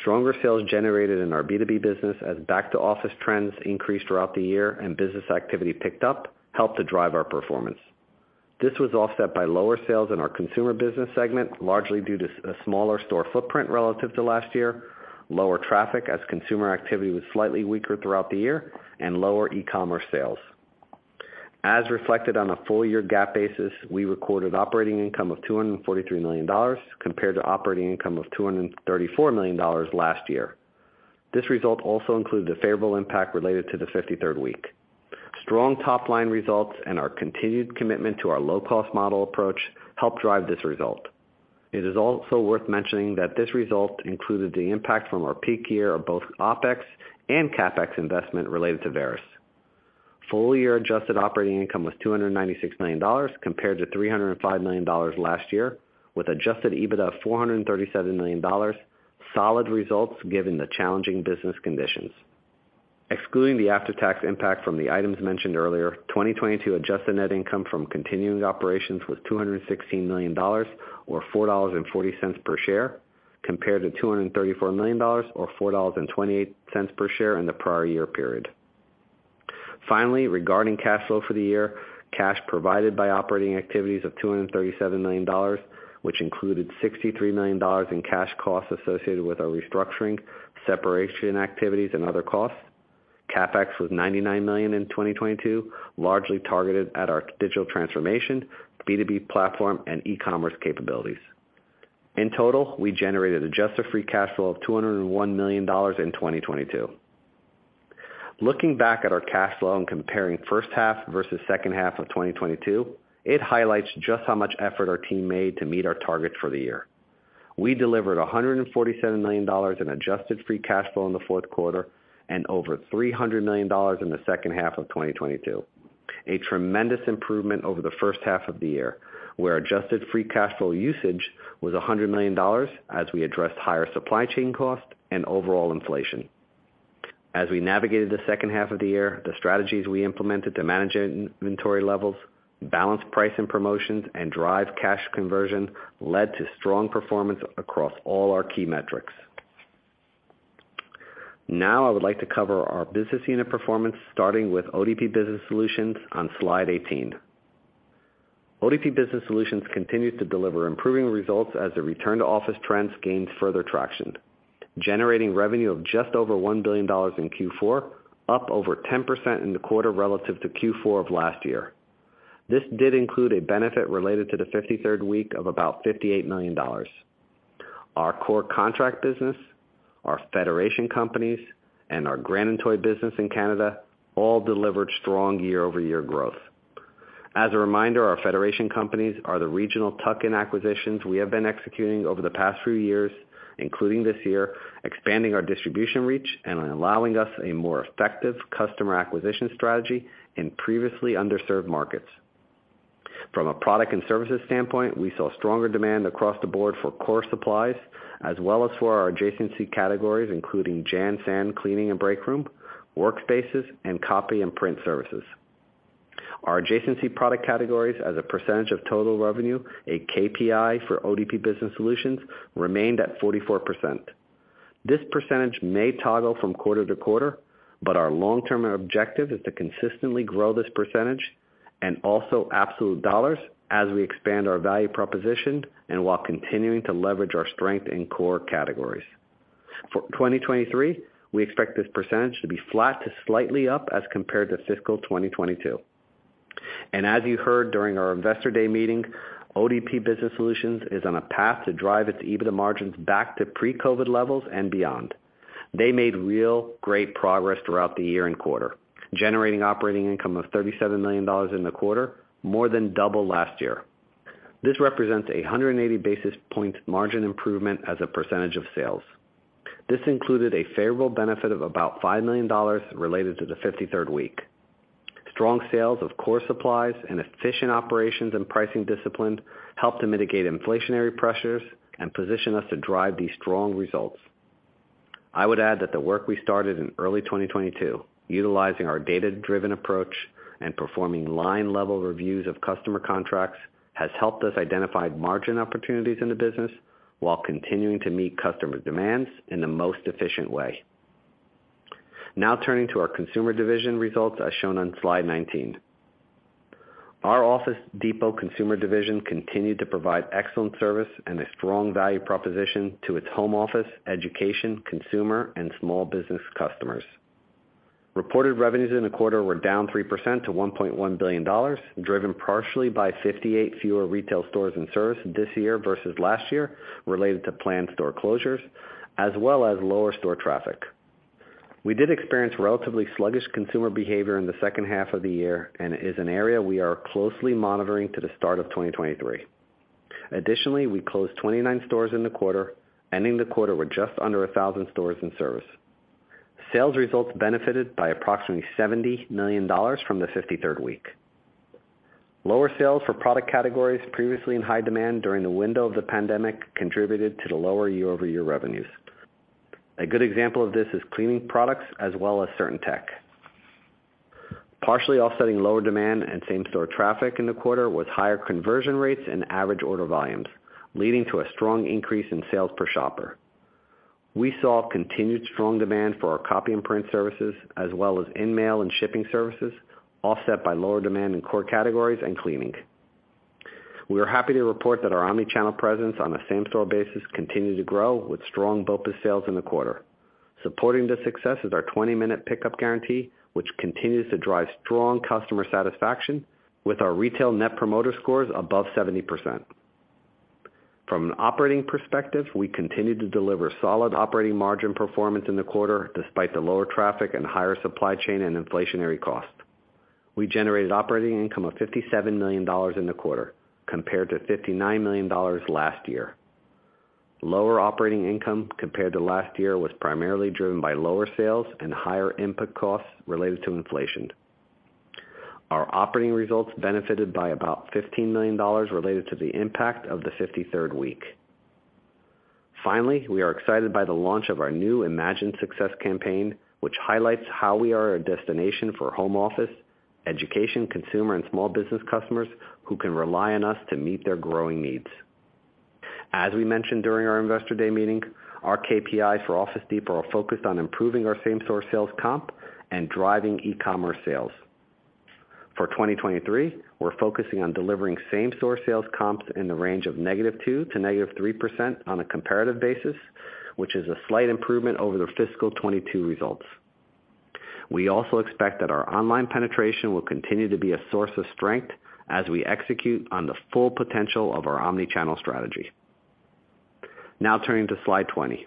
Stronger sales generated in our B2B business as back to office trends increased throughout the year and business activity picked up helped to drive our performance. This was offset by lower sales in our consumer business segment, largely due to a smaller store footprint relative to last year, lower traffic as consumer activity was slightly weaker throughout the year, and lower e-commerce sales. As reflected on a full year GAAP basis, we recorded operating income of $243 million compared to operating income of $234 million last year. This result also includes the favorable impact related to the 53rd week. Strong top-line results and our continued commitment to our low-cost model approach helped drive this result. It is also worth mentioning that this result included the impact from our peak year of both OpEx and CapEx investment related to Varis. Full year adjusted operating income was $296 million compared to $305 million last year, with adjusted EBITDA of $437 million. Solid results given the challenging business conditions. Excluding the after-tax impact from the items mentioned earlier, 2022 adjusted net income from continuing operations was $216 million or $4.40 per share compared to $234 million or $4.28 per share in the prior year period. Regarding cash flow for the year, cash provided by operating activities of $237 million, which included $63 million in cash costs associated with our restructuring, separation activities, and other costs. CapEx was $99 million in 2022, largely targeted at our digital transformation, B2B platform, and e-commerce capabilities. In total, we generated adjusted free cash flow of $201 million in 2022. Looking back at our cash flow and comparing first half versus second half of 2022, it highlights just how much effort our team made to meet our targets for the year. We delivered $147 million in adjusted free cash flow in the fourth quarter and over $300 million in the second half of 2022. A tremendous improvement over the first half of the year, where adjusted free cash flow usage was $100 million as we addressed higher supply chain costs and overall inflation. As we navigated the second half of the year, the strategies we implemented to manage inventory levels, balance price and promotions, and drive cash conversion led to strong performance across all our key metrics. Now I would like to cover our business unit performance, starting with ODP Business Solutions on Slide 18. ODP Business Solutions continued to deliver improving results as the return-to-office trends gained further traction, generating revenue of just over $1 billion in Q4, up over 10% in the quarter relative to Q4 of last year. This did include a benefit related to the 53rd week of about $58 million. Our core contract business, our Federation companies, and our Grand & Toy business in Canada all delivered strong year-over-year growth. As a reminder, our Federation companies are the regional tuck-in acquisitions we have been executing over the past few years, including this year, expanding our distribution reach and allowing us a more effective customer acquisition strategy in previously underserved markets. From a product and services standpoint, we saw stronger demand across the board for core supplies as well as for our adjacency categories, including JanSan, cleaning and break room, workspaces, and copy and print services. Our adjacency product categories as a percentage of total revenue, a KPI for ODP Business Solutions, remained at 44%. This percentage may toggle from quarter to quarter, but our long-term objective is to consistently grow this percentage and also absolute dollars as we expand our value proposition and while continuing to leverage our strength in core categories. For 2023, we expect this percentage to be flat to slightly up as compared to fiscal 2022. As you heard during our Investor Day meeting, ODP Business Solutions is on a path to drive its EBITDA margins back to pre-COVID levels and beyond. They made real great progress throughout the year and quarter, generating operating income of $37 million in the quarter, more than double last year. This represents 180 basis point margin improvement as a % of sales. This included a favorable benefit of about $5 million related to the 53rd week. Strong sales of core supplies and efficient operations and pricing discipline helped to mitigate inflationary pressures and position us to drive these strong results. I would add that the work we started in early 2022, utilizing our data-driven approach and performing line-level reviews of customer contracts, has helped us identify margin opportunities in the business while continuing to meet customer demands in the most efficient way. Turning to our consumer division results as shown on Slide 19. Our Office Depot consumer division continued to provide excellent service and a strong value proposition to its home office, education, consumer, and small business customers. Reported revenues in the quarter were down 3% to $1.1 billion, driven partially by 58 fewer retail stores and services this year versus last year related to planned store closures as well as lower store traffic. We did experience relatively sluggish consumer behavior in the second half of the year, and it is an area we are closely monitoring to the start of 2023. Additionally, we closed 29 stores in the quarter, ending the quarter with just under 1,000 stores in service. Sales results benefited by approximately $70 million from the 53rd week. Lower sales for product categories previously in high demand during the window of the pandemic contributed to the lower year-over-year revenues. A good example of this is cleaning products as well as certain tech. Partially offsetting lower demand and same-store traffic in the quarter was higher conversion rates and average order volumes, leading to a strong increase in sales per shopper. We saw continued strong demand for our copy and print services, as well as in-mail and shipping services, offset by lower demand in core categories and cleaning. We are happy to report that our omni-channel presence on a same-store basis continued to grow with strong BOPUS sales in the quarter. Supporting this success is our 20-minute pickup guarantee, which continues to drive strong customer satisfaction with our retail Net Promoter Scores above 70%. From an operating perspective, we continue to deliver solid operating margin performance in the quarter, despite the lower traffic and higher supply chain and inflationary costs. We generated operating income of $57 million in the quarter, compared to $59 million last year. Lower operating income compared to last year was primarily driven by lower sales and higher input costs related to inflation. Our operating results benefited by about $15 million related to the impact of the 53rd week. Finally, we are excited by the launch of our new Imagine Success campaign, which highlights how we are a destination for home office, education, consumer, and small business customers who can rely on us to meet their growing needs. As we mentioned during our Investor Day meeting, our KPIs for Office Depot are focused on improving our same-store sales comp and driving e-commerce sales. For 2023, we're focusing on delivering same-store sales comps in the range of -2% to -3% on a comparative basis, which is a slight improvement over the fiscal 2022 results. We also expect that our online penetration will continue to be a source of strength as we execute on the full potential of our omni-channel strategy. Turning to Slide 20.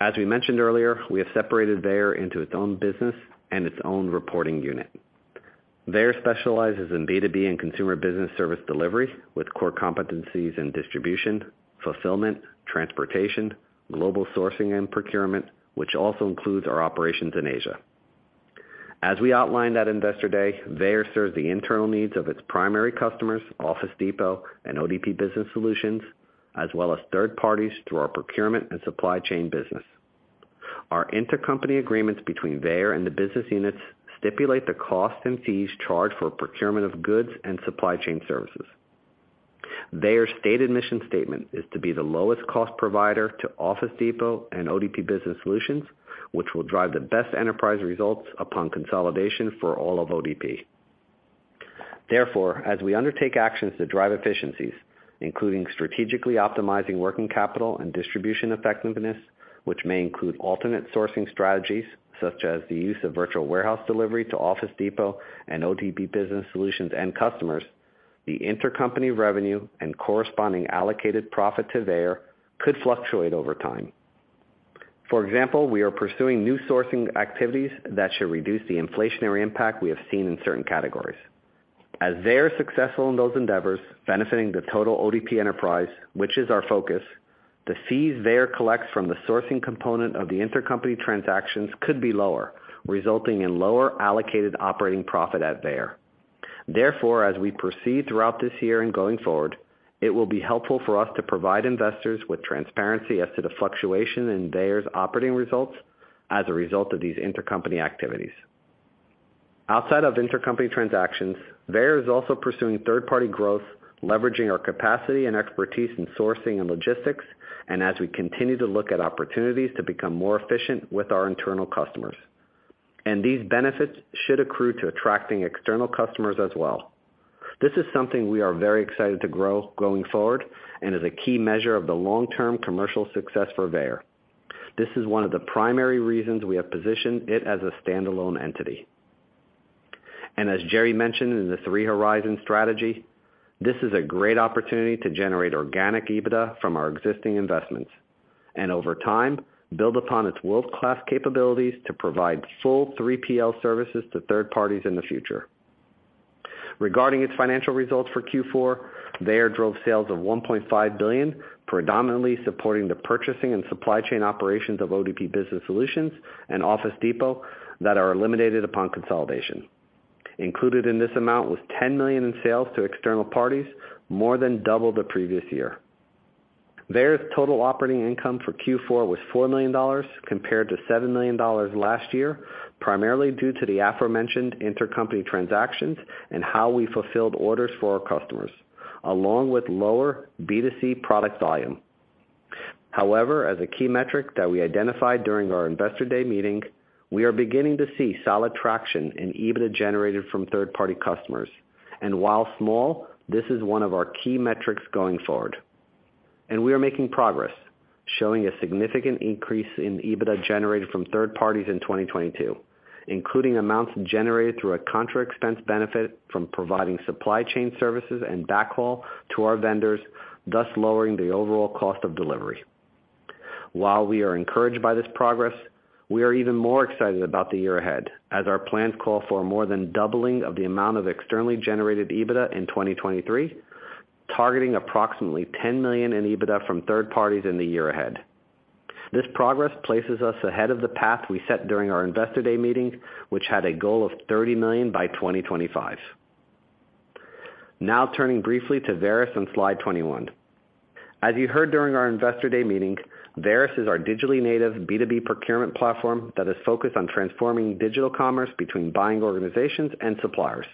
As we mentioned earlier, we have separated Veyer into its own business and its own reporting unit. Veyer specializes in B2B and consumer business service delivery, with core competencies in distribution, fulfillment, transportation, global sourcing, and procurement, which also includes our operations in Asia. As we outlined at Investor Day, Veyer serves the internal needs of its primary customers, Office Depot and ODP Business Solutions, as well as third parties through our procurement and supply chain business. Our intercompany agreements between Veyer and the business units stipulate the costs and fees charged for procurement of goods and supply chain services. Veyer's stated mission statement is to be the lowest cost provider to Office Depot and ODP Business Solutions, which will drive the best enterprise results upon consolidation for all of ODP. As we undertake actions to drive efficiencies, including strategically optimizing working capital and distribution effectiveness, which may include alternate sourcing strategies such as the use of virtual warehouse delivery to Office Depot and ODP Business Solutions end customers, the intercompany revenue and corresponding allocated profit to Veyer could fluctuate over time. For example, we are pursuing new sourcing activities that should reduce the inflationary impact we have seen in certain categories. As Veyer's successful in those endeavors, benefiting the total ODP enterprise, which is our focus, the fees Veyer collects from the sourcing component of the intercompany transactions could be lower, resulting in lower allocated operating profit at Veyer. Therefore, as we proceed throughout this year and going forward, it will be helpful for us to provide investors with transparency as to the fluctuation in Veyer's operating results as a result of these intercompany activities. Outside of intercompany transactions, Veyer is also pursuing third-party growth, leveraging our capacity and expertise in sourcing and logistics, and as we continue to look at opportunities to become more efficient with our internal customers. And these benefits should accrue to attracting external customers as well. This is something we are very excited to grow going forward and is a key measure of the long-term commercial success for Veyer. This is one of the primary reasons we have positioned it as a standalone entity. As Gerry mentioned in the three horizons, this is a great opportunity to generate organic EBITDA from our existing investments, and over time, build upon its world-class capabilities to provide full 3PL services to third parties in the future. Regarding its financial results for Q4, Veyer drove sales of $1.5 billion, predominantly supporting the purchasing and supply chain operations of ODP Business Solutions and Office Depot that are eliminated upon consolidation. Included in this amount was $10 million in sales to external parties, more than double the previous year. Veyer's total operating income for Q4 was $4 million compared to $7 million last year, primarily due to the aforementioned intercompany transactions and how we fulfilled orders for our customers, along with lower B2C product volume. However, as a key metric that we identified during our Investor Day meeting, we are beginning to see solid traction in EBITDA generated from third-party customers, and while small, this is one of our key metrics going forward. We are making progress, showing a significant increase in EBITDA generated from third parties in 2022, including amounts generated through a contra expense benefit from providing supply chain services and backhaul to our vendors, thus lowering the overall cost of delivery. While we are encouraged by this progress, we are even more excited about the year ahead, as our plans call for more than doubling of the amount of externally generated EBITDA in 2023, targeting approximately $10 million in EBITDA from third parties in the year ahead. This progress places us ahead of the path we set during our Investor Day meeting, which had a goal of $30 million by 2025. Now, turning briefly to Varis on Slide 21. As you heard during our Investor Day meeting, Varis is our digitally native B2B procurement platform that is focused on transforming digital commerce between buying organizations and suppliers.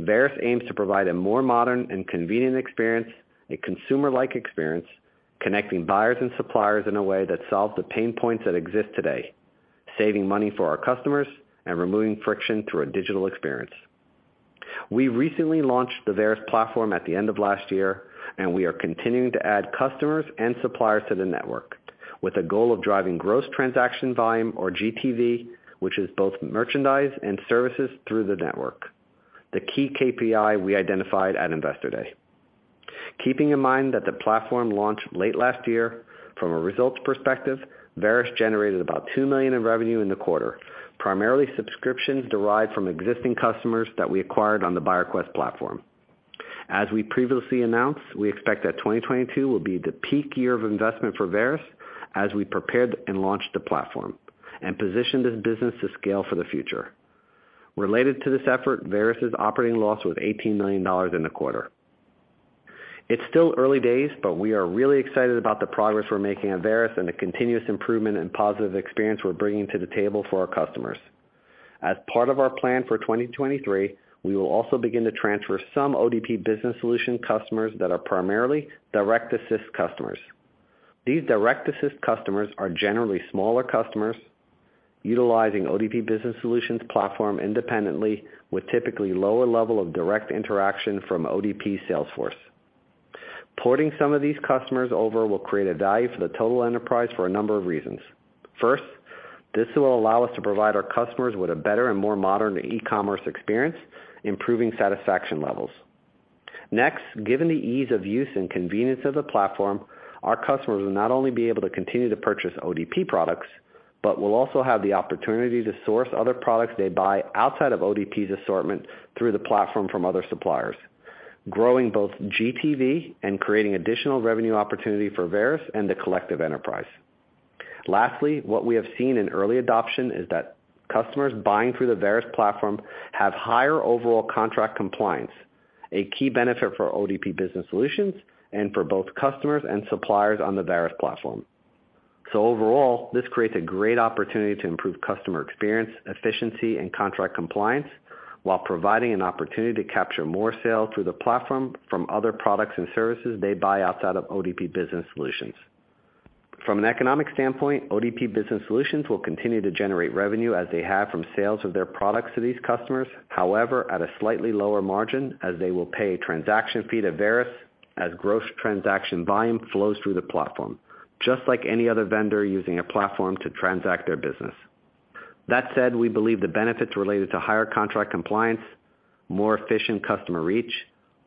Varis aims to provide a more modern and convenient experience, a consumer-like experience, connecting buyers and suppliers in a way that solves the pain points that exist today, saving money for our customers and removing friction through a digital experience. We recently launched the Varis platform at the end of last year. We are continuing to add customers and suppliers to the network with a goal of driving gross transaction volume or GTV, which is both merchandise and services through the network, the key KPI we identified at Investor Day. Keeping in mind that the platform launched late last year, from a results perspective, Varis generated about $2 million in revenue in the quarter, primarily subscriptions derived from existing customers that we acquired on the BuyerQuest platform. As we previously announced, we expect that 2022 will be the peak year of investment for Varis as we prepared and launched the platform and position this business to scale for the future. Related to this effort, Varis's operating loss was $18 million in the quarter. It's still early days, we are really excited about the progress we're making at Varis and the continuous improvement and positive experience we're bringing to the table for our customers. As part of our plan for 2023, we will also begin to transfer some ODP Business Solutions customers that are primarily direct assist customers. These direct assist customers are generally smaller customers utilizing ODP Business Solutions platform independently with typically lower level of direct interaction from ODP sales force. Porting some of these customers over will create a value for the total enterprise for a number of reasons. First, this will allow us to provide our customers with a better and more modern e-commerce experience, improving satisfaction levels. Next, given the ease of use and convenience of the platform, our customers will not only be able to continue to purchase ODP products, but will also have the opportunity to source other products they buy outside of ODP's assortment through the platform from other suppliers, growing both GTV and creating additional revenue opportunity for Varis and the collective enterprise. Lastly, what we have seen in early adoption is that customers buying through the Varis platform have higher overall contract compliance, a key benefit for ODP Business Solutions and for both customers and suppliers on the Varis platform. Overall, this creates a great opportunity to improve customer experience, efficiency, and contract compliance while providing an opportunity to capture more sales through the platform from other products and services they buy outside of ODP Business Solutions. From an economic standpoint, ODP Business Solutions will continue to generate revenue as they have from sales of their products to these customers. However, at a slightly lower margin, as they will pay a transaction fee to Varis as gross transaction volume flows through the platform, just like any other vendor using a platform to transact their business. That said, we believe the benefits related to higher contract compliance, more efficient customer reach,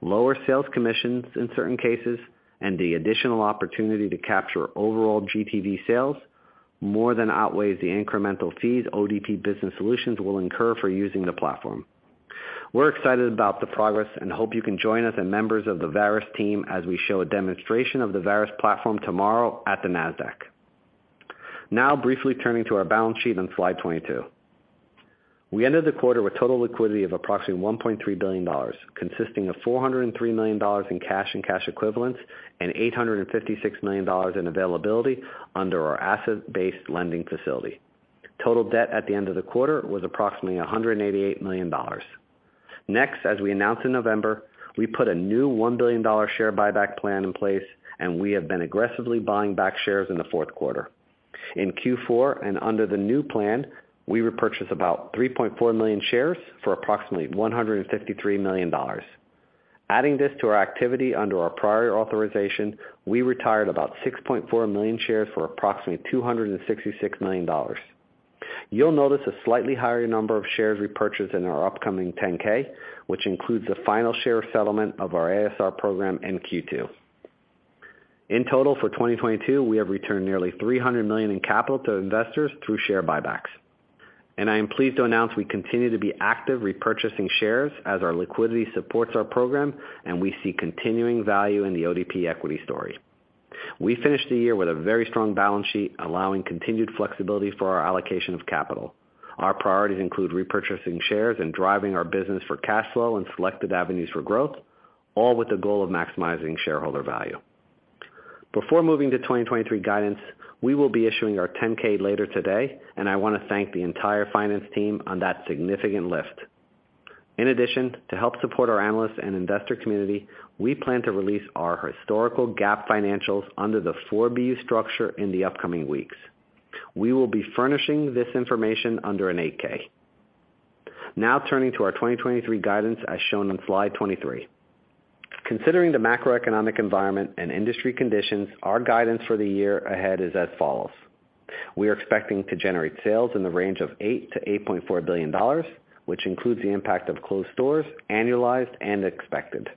lower sales commissions in certain cases, and the additional opportunity to capture overall GTV sales more than outweighs the incremental fees ODP Business Solutions will incur for using the platform. We're excited about the progress and hope you can join us and members of the Varis team as we show a demonstration of the Varis platform tomorrow at the Nasdaq. Briefly turning to our balance sheet on Slide 22. We ended the quarter with total liquidity of approximately $1.3 billion, consisting of $403 million in cash and cash equivalents and $856 million in availability under our asset-based lending facility. Total debt at the end of the quarter was approximately $188 million. As we announced in November, we put a new $1 billion share buyback plan in place, and we have been aggressively buying back shares in the fourth quarter. In Q4 and under the new plan, we repurchased about 3.4 million shares for approximately $153 million. Adding this to our activity under our prior authorization, we retired about 6.4 million shares for approximately $266 million. You'll notice a slightly higher number of shares repurchased in our upcoming 10-K, which includes the final share settlement of our ASR program in Q2. In total for 2022, we have returned nearly $300 million in capital to investors through share buybacks. I am pleased to announce we continue to be active repurchasing shares as our liquidity supports our program, and we see continuing value in the ODP equity story. We finished the year with a very strong balance sheet, allowing continued flexibility for our allocation of capital. Our priorities include repurchasing shares and driving our business for cash flow and selected avenues for growth, all with the goal of maximizing shareholder value. Before moving to 2023 guidance, we will be issuing our 10-K later today, and I wanna thank the entire finance team on that significant lift. In addition, to help support our analysts and investor community, we plan to release our historical GAAP financials under the four B structure in the upcoming weeks. We will be furnishing this information under an 8-K. Turning to our 2023 guidance as shown on Slide 23. Considering the macroeconomic environment and industry conditions, our guidance for the year ahead is as follows. We are expecting to generate sales in the range of $8 billion-$8.4 billion, which includes the impact of closed stores, annualized and expected.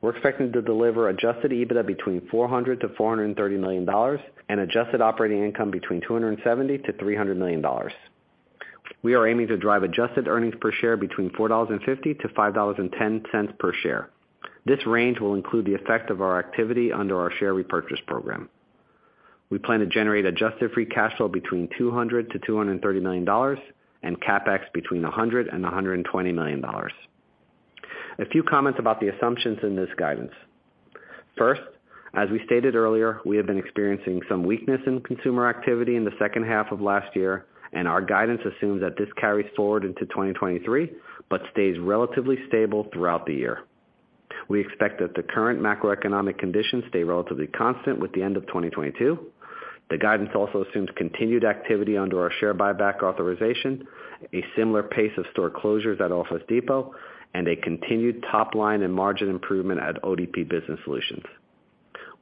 We're expecting to deliver adjusted EBITDA between $400 million-$430 million and adjusted operating income between $270 million-$300 million. We are aiming to drive adjusted earnings per share between $4.50-$5.10 per share. This range will include the effect of our activity under our share repurchase program. We plan to generate adjusted free cash flow between $200 million-$230 million and CapEx between $100 million-$120 million. A few comments about the assumptions in this guidance. As we stated earlier, we have been experiencing some weakness in consumer activity in the second half of last year, and our guidance assumes that this carries forward into 2023, but stays relatively stable throughout the year. We expect that the current macroeconomic conditions stay relatively constant with the end of 2022. The guidance also assumes continued activity under our share buyback authorization, a similar pace of store closures at Office Depot, and a continued top line and margin improvement at ODP Business Solutions.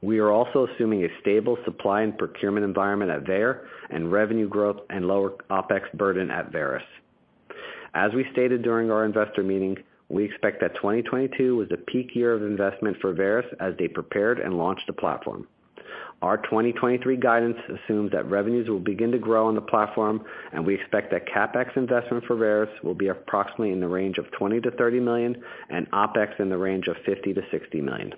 We are also assuming a stable supply and procurement environment at Veyer, and revenue growth and lower OpEx burden at Varis. As we stated during our investor meeting, we expect that 2022 was a peak year of investment for Varis as they prepared and launched the platform. Our 2023 guidance assumes that revenues will begin to grow on the platform, and we expect that CapEx investment for Varis will be approximately in the range of $20 million-$30 million and OpEx in the range of $50 million-$60 million.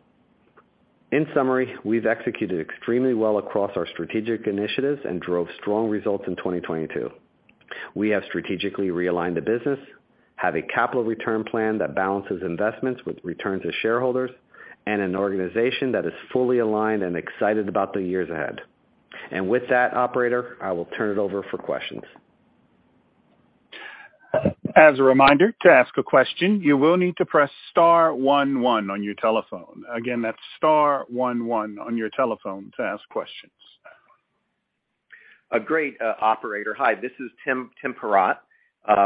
In summary, we've executed extremely well across our strategic initiatives and drove strong results in 2022. We have strategically realigned the business, have a capital return plan that balances investments with return to shareholders, and an organization that is fully aligned and excited about the years ahead. With that, operator, I will turn it over for questions. As a reminder, to ask a question, you will need to press star 11 on your telephone. Again, that's star 11 on your telephone to ask questions. Great, operator. Hi, this is Tim Perrott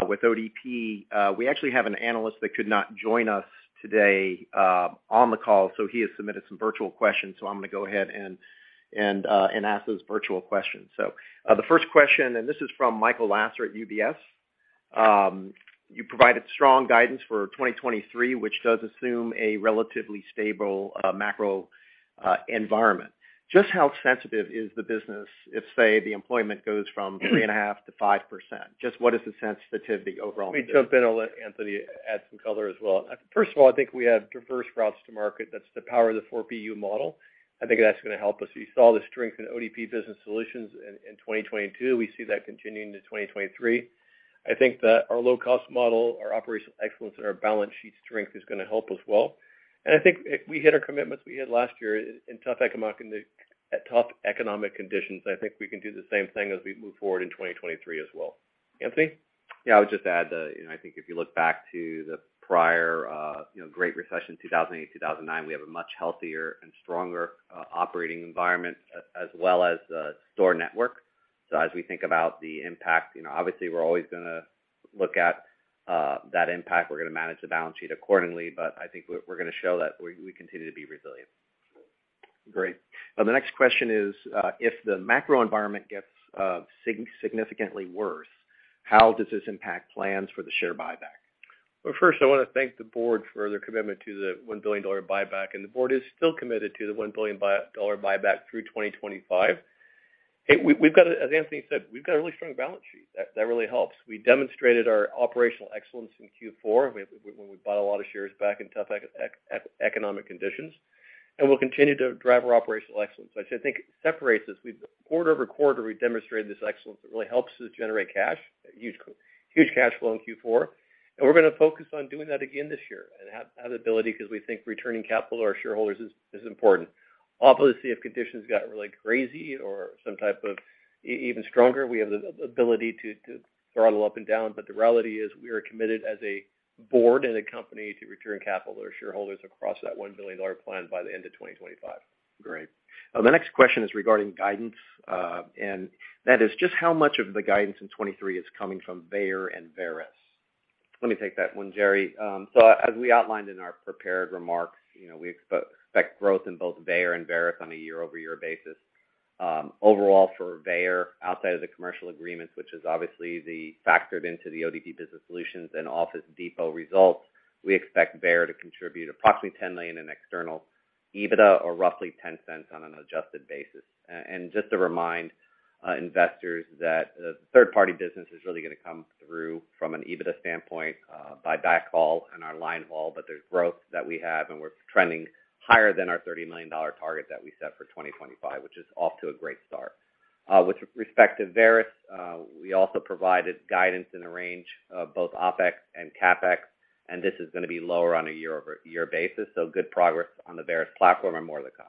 with ODP. We actually have an analyst that could not join us today on the call. He has submitted some virtual questions. I'm gonna go ahead and ask those virtual questions. The first question, and this is from Michael Lasser at UBS. You provided strong guidance for 2023, which does assume a relatively stable macro environment. Just how sensitive is the business if, say, the employment goes from 3.5% to 5%? Just what is the sensitivity overall? Let me jump in. I'll let Anthony add some color as well. First of all, I think we have diverse routes to market. That's the power of the four BU model. I think that's gonna help us. You saw the strength in ODP Business Solutions in 2022. We see that continuing to 2023. I think that our low-cost model, our operational excellence, and our balance sheet strength is gonna help as well. I think if we hit our commitments we hit last year at tough economic conditions, I think we can do the same thing as we move forward in 2023 as well. Anthony. Yeah. I would just add that, you know, I think if you look back to the prior, you know, great recession, 2008, 2009, we have a much healthier and stronger operating environment as well as store network. As we think about the impact, you know, obviously, we're always gonna look at that impact. We're gonna manage the balance sheet accordingly, but I think we're gonna show that we continue to be resilient. Great. The next question is, if the macro environment gets significantly worse, how does this impact plans for the share buyback? Well, first, I wanna thank the board for their commitment to the $1 billion dollar buyback. The board is still committed to the $1 billion dollar buyback through 2025. Hey, as Anthony said, we've got a really strong balance sheet. That really helps. We demonstrated our operational excellence in Q4 when we bought a lot of shares back in tough economic conditions. We'll continue to drive our operational excellence. I think separates us. Quarter over quarter, we demonstrated this excellence that really helps us generate cash, huge cash flow in Q4. We're gonna focus on doing that again this year and have the ability because we think returning capital to our shareholders is important. Obviously, if conditions got really crazy or some type of even stronger, we have the ability to throttle up and down. The reality is we are committed as a board and a company to return capital to our shareholders across that 1 billion dollar plan by the end of 2025. Great. The next question is regarding guidance, and that is just how much of the guidance in 2023 is coming from Veyer and Varis? Let me take that one, Gerry. As we outlined in our prepared remarks, you know, we expect growth in both Veyer and Varis on a year-over-year basis. Overall, for Veyer, outside of the commercial agreements, which is obviously factored into the ODP Business Solutions and Office Depot results, we expect Veyer to contribute approximately $10 million in external EBITDA or roughly $0.10 on an adjusted basis. And just to remind investors that the third-party business is really gonna come through from an EBITDA standpoint by backhaul and our line haul, but there's growth that we have, and we're trending higher than our $30 million target that we set for 2025, which is off to a great start. With respect to Varis, we also provided guidance in a range of both OpEx and CapEx. This is gonna be lower on a year-over-year basis. Good progress on the Varis platform and more to come.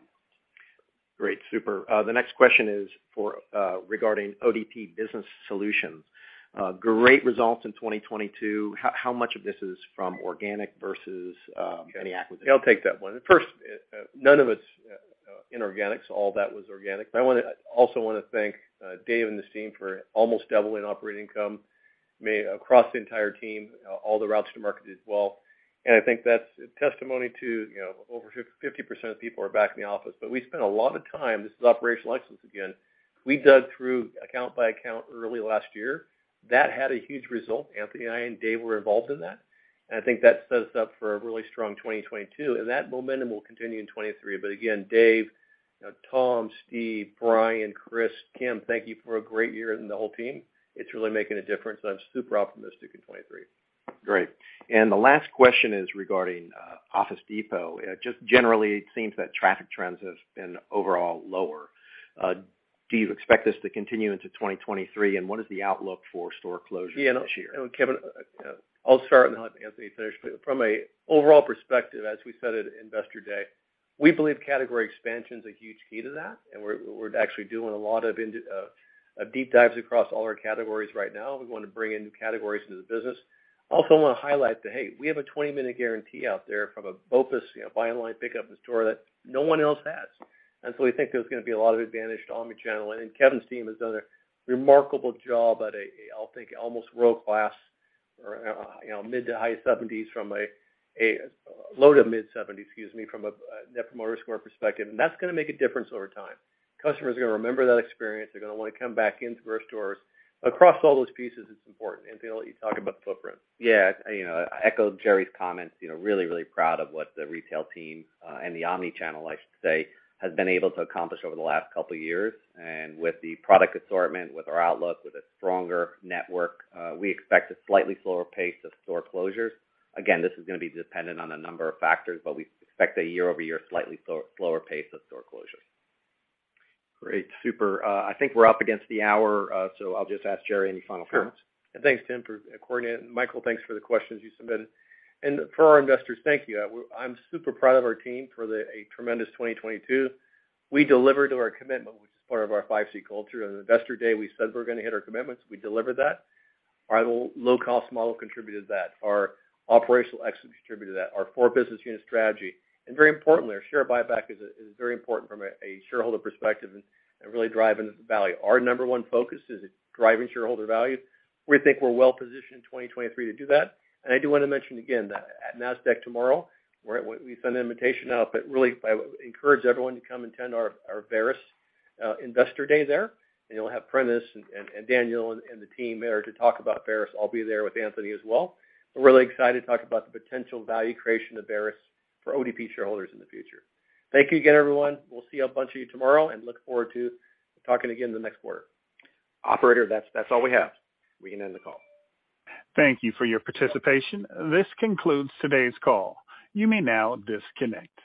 Great. Super. The next question is for, regarding ODP Business Solutions. Great results in 2022. How much of this is from organic versus, any acquisitions? I'll take that one. First, none of it's inorganics. All that was organic. I also wanna thank Dave and his team for almost doubling operating income across the entire team, all the routes to market as well. I think that's a testimony to, you know, over 50% of people are back in the office. We spent a lot of time, this is operational excellence again. We dug through account by account early last year. That had a huge result. Anthony and I and Dave were involved in that. I think that sets us up for a really strong 2022, and that momentum will continue in 2023. Again, Dave, you know, Tom, Steve, Brian, Chris, Kim, thank you for a great year and the whole team. It's really making a difference, and I'm super optimistic in 2023. Great. The last question is regarding Office Depot. Just generally, it seems that traffic trends have been overall lower. Do you expect this to continue into 2023? What is the outlook for store closures this year? Yeah. Kevin, I'll start and I'll have Anthony finish. From an overall perspective, as we said at Investor Day, we believe category expansion is a huge key to that, and we're actually doing a lot of deep dives across all our categories right now. We wanna bring in new categories into the business. Also wanna highlight that, hey, we have a 20-minute guarantee out there from a BOPUS, you know, buy online, pick up in store that no one else has. We think there's gonna be a lot of advantage to omni-channel. Kevin's team has done a remarkable job at I'll think almost world-class or, you know, low-to-mid 70s, excuse me, from a net promoter score perspective. That's gonna make a difference over time. Customers are gonna remember that experience. They're gonna wanna come back into our stores. Across all those pieces, it's important. I'll let you talk about the footprint. Yeah. You know, I echo Gerry's comments, you know, really, really proud of what the retail team, and the omni-channel, I should say, has been able to accomplish over the last couple years. With the product assortment, with our outlook, with a stronger network, we expect a slightly slower pace of store closures. Again, this is gonna be dependent on a number of factors, but we expect a year-over-year, slightly slower pace of store closures. Great. Super. I think we're up against the hour, so I'll just ask Gerry any final comments. Sure. Thanks, Tim, for coordinating. Michael, thanks for the questions you submitted. For our investors, thank you. I'm super proud of our team for a tremendous 2022. We delivered to our commitment, which is part of our 5C Culture. On Investor Day, we said we're gonna hit our commitments. We delivered that. Our low cost model contributed to that. Our operational excellence contributed to that. Our four business unit strategy, and very importantly, our share buyback is very important from a shareholder perspective and really driving the value. Our number one focus is driving shareholder value. We think we're well positioned in 2023 to do that. I do wanna mention again that at Nasdaq tomorrow, we sent an invitation out, but really I encourage everyone to come attend our Varis Investor Day there. You'll have Prentis and Daniel and the team there to talk about Varis. I'll be there with Anthony as well. We're really excited to talk about the potential value creation of Varis for ODP shareholders in the future. Thank you again, everyone. We'll see a bunch of you tomorrow, and look forward to talking again the next quarter. Operator, that's all we have. We can end the call. Thank you for your participation. This concludes today's call. You may now disconnect.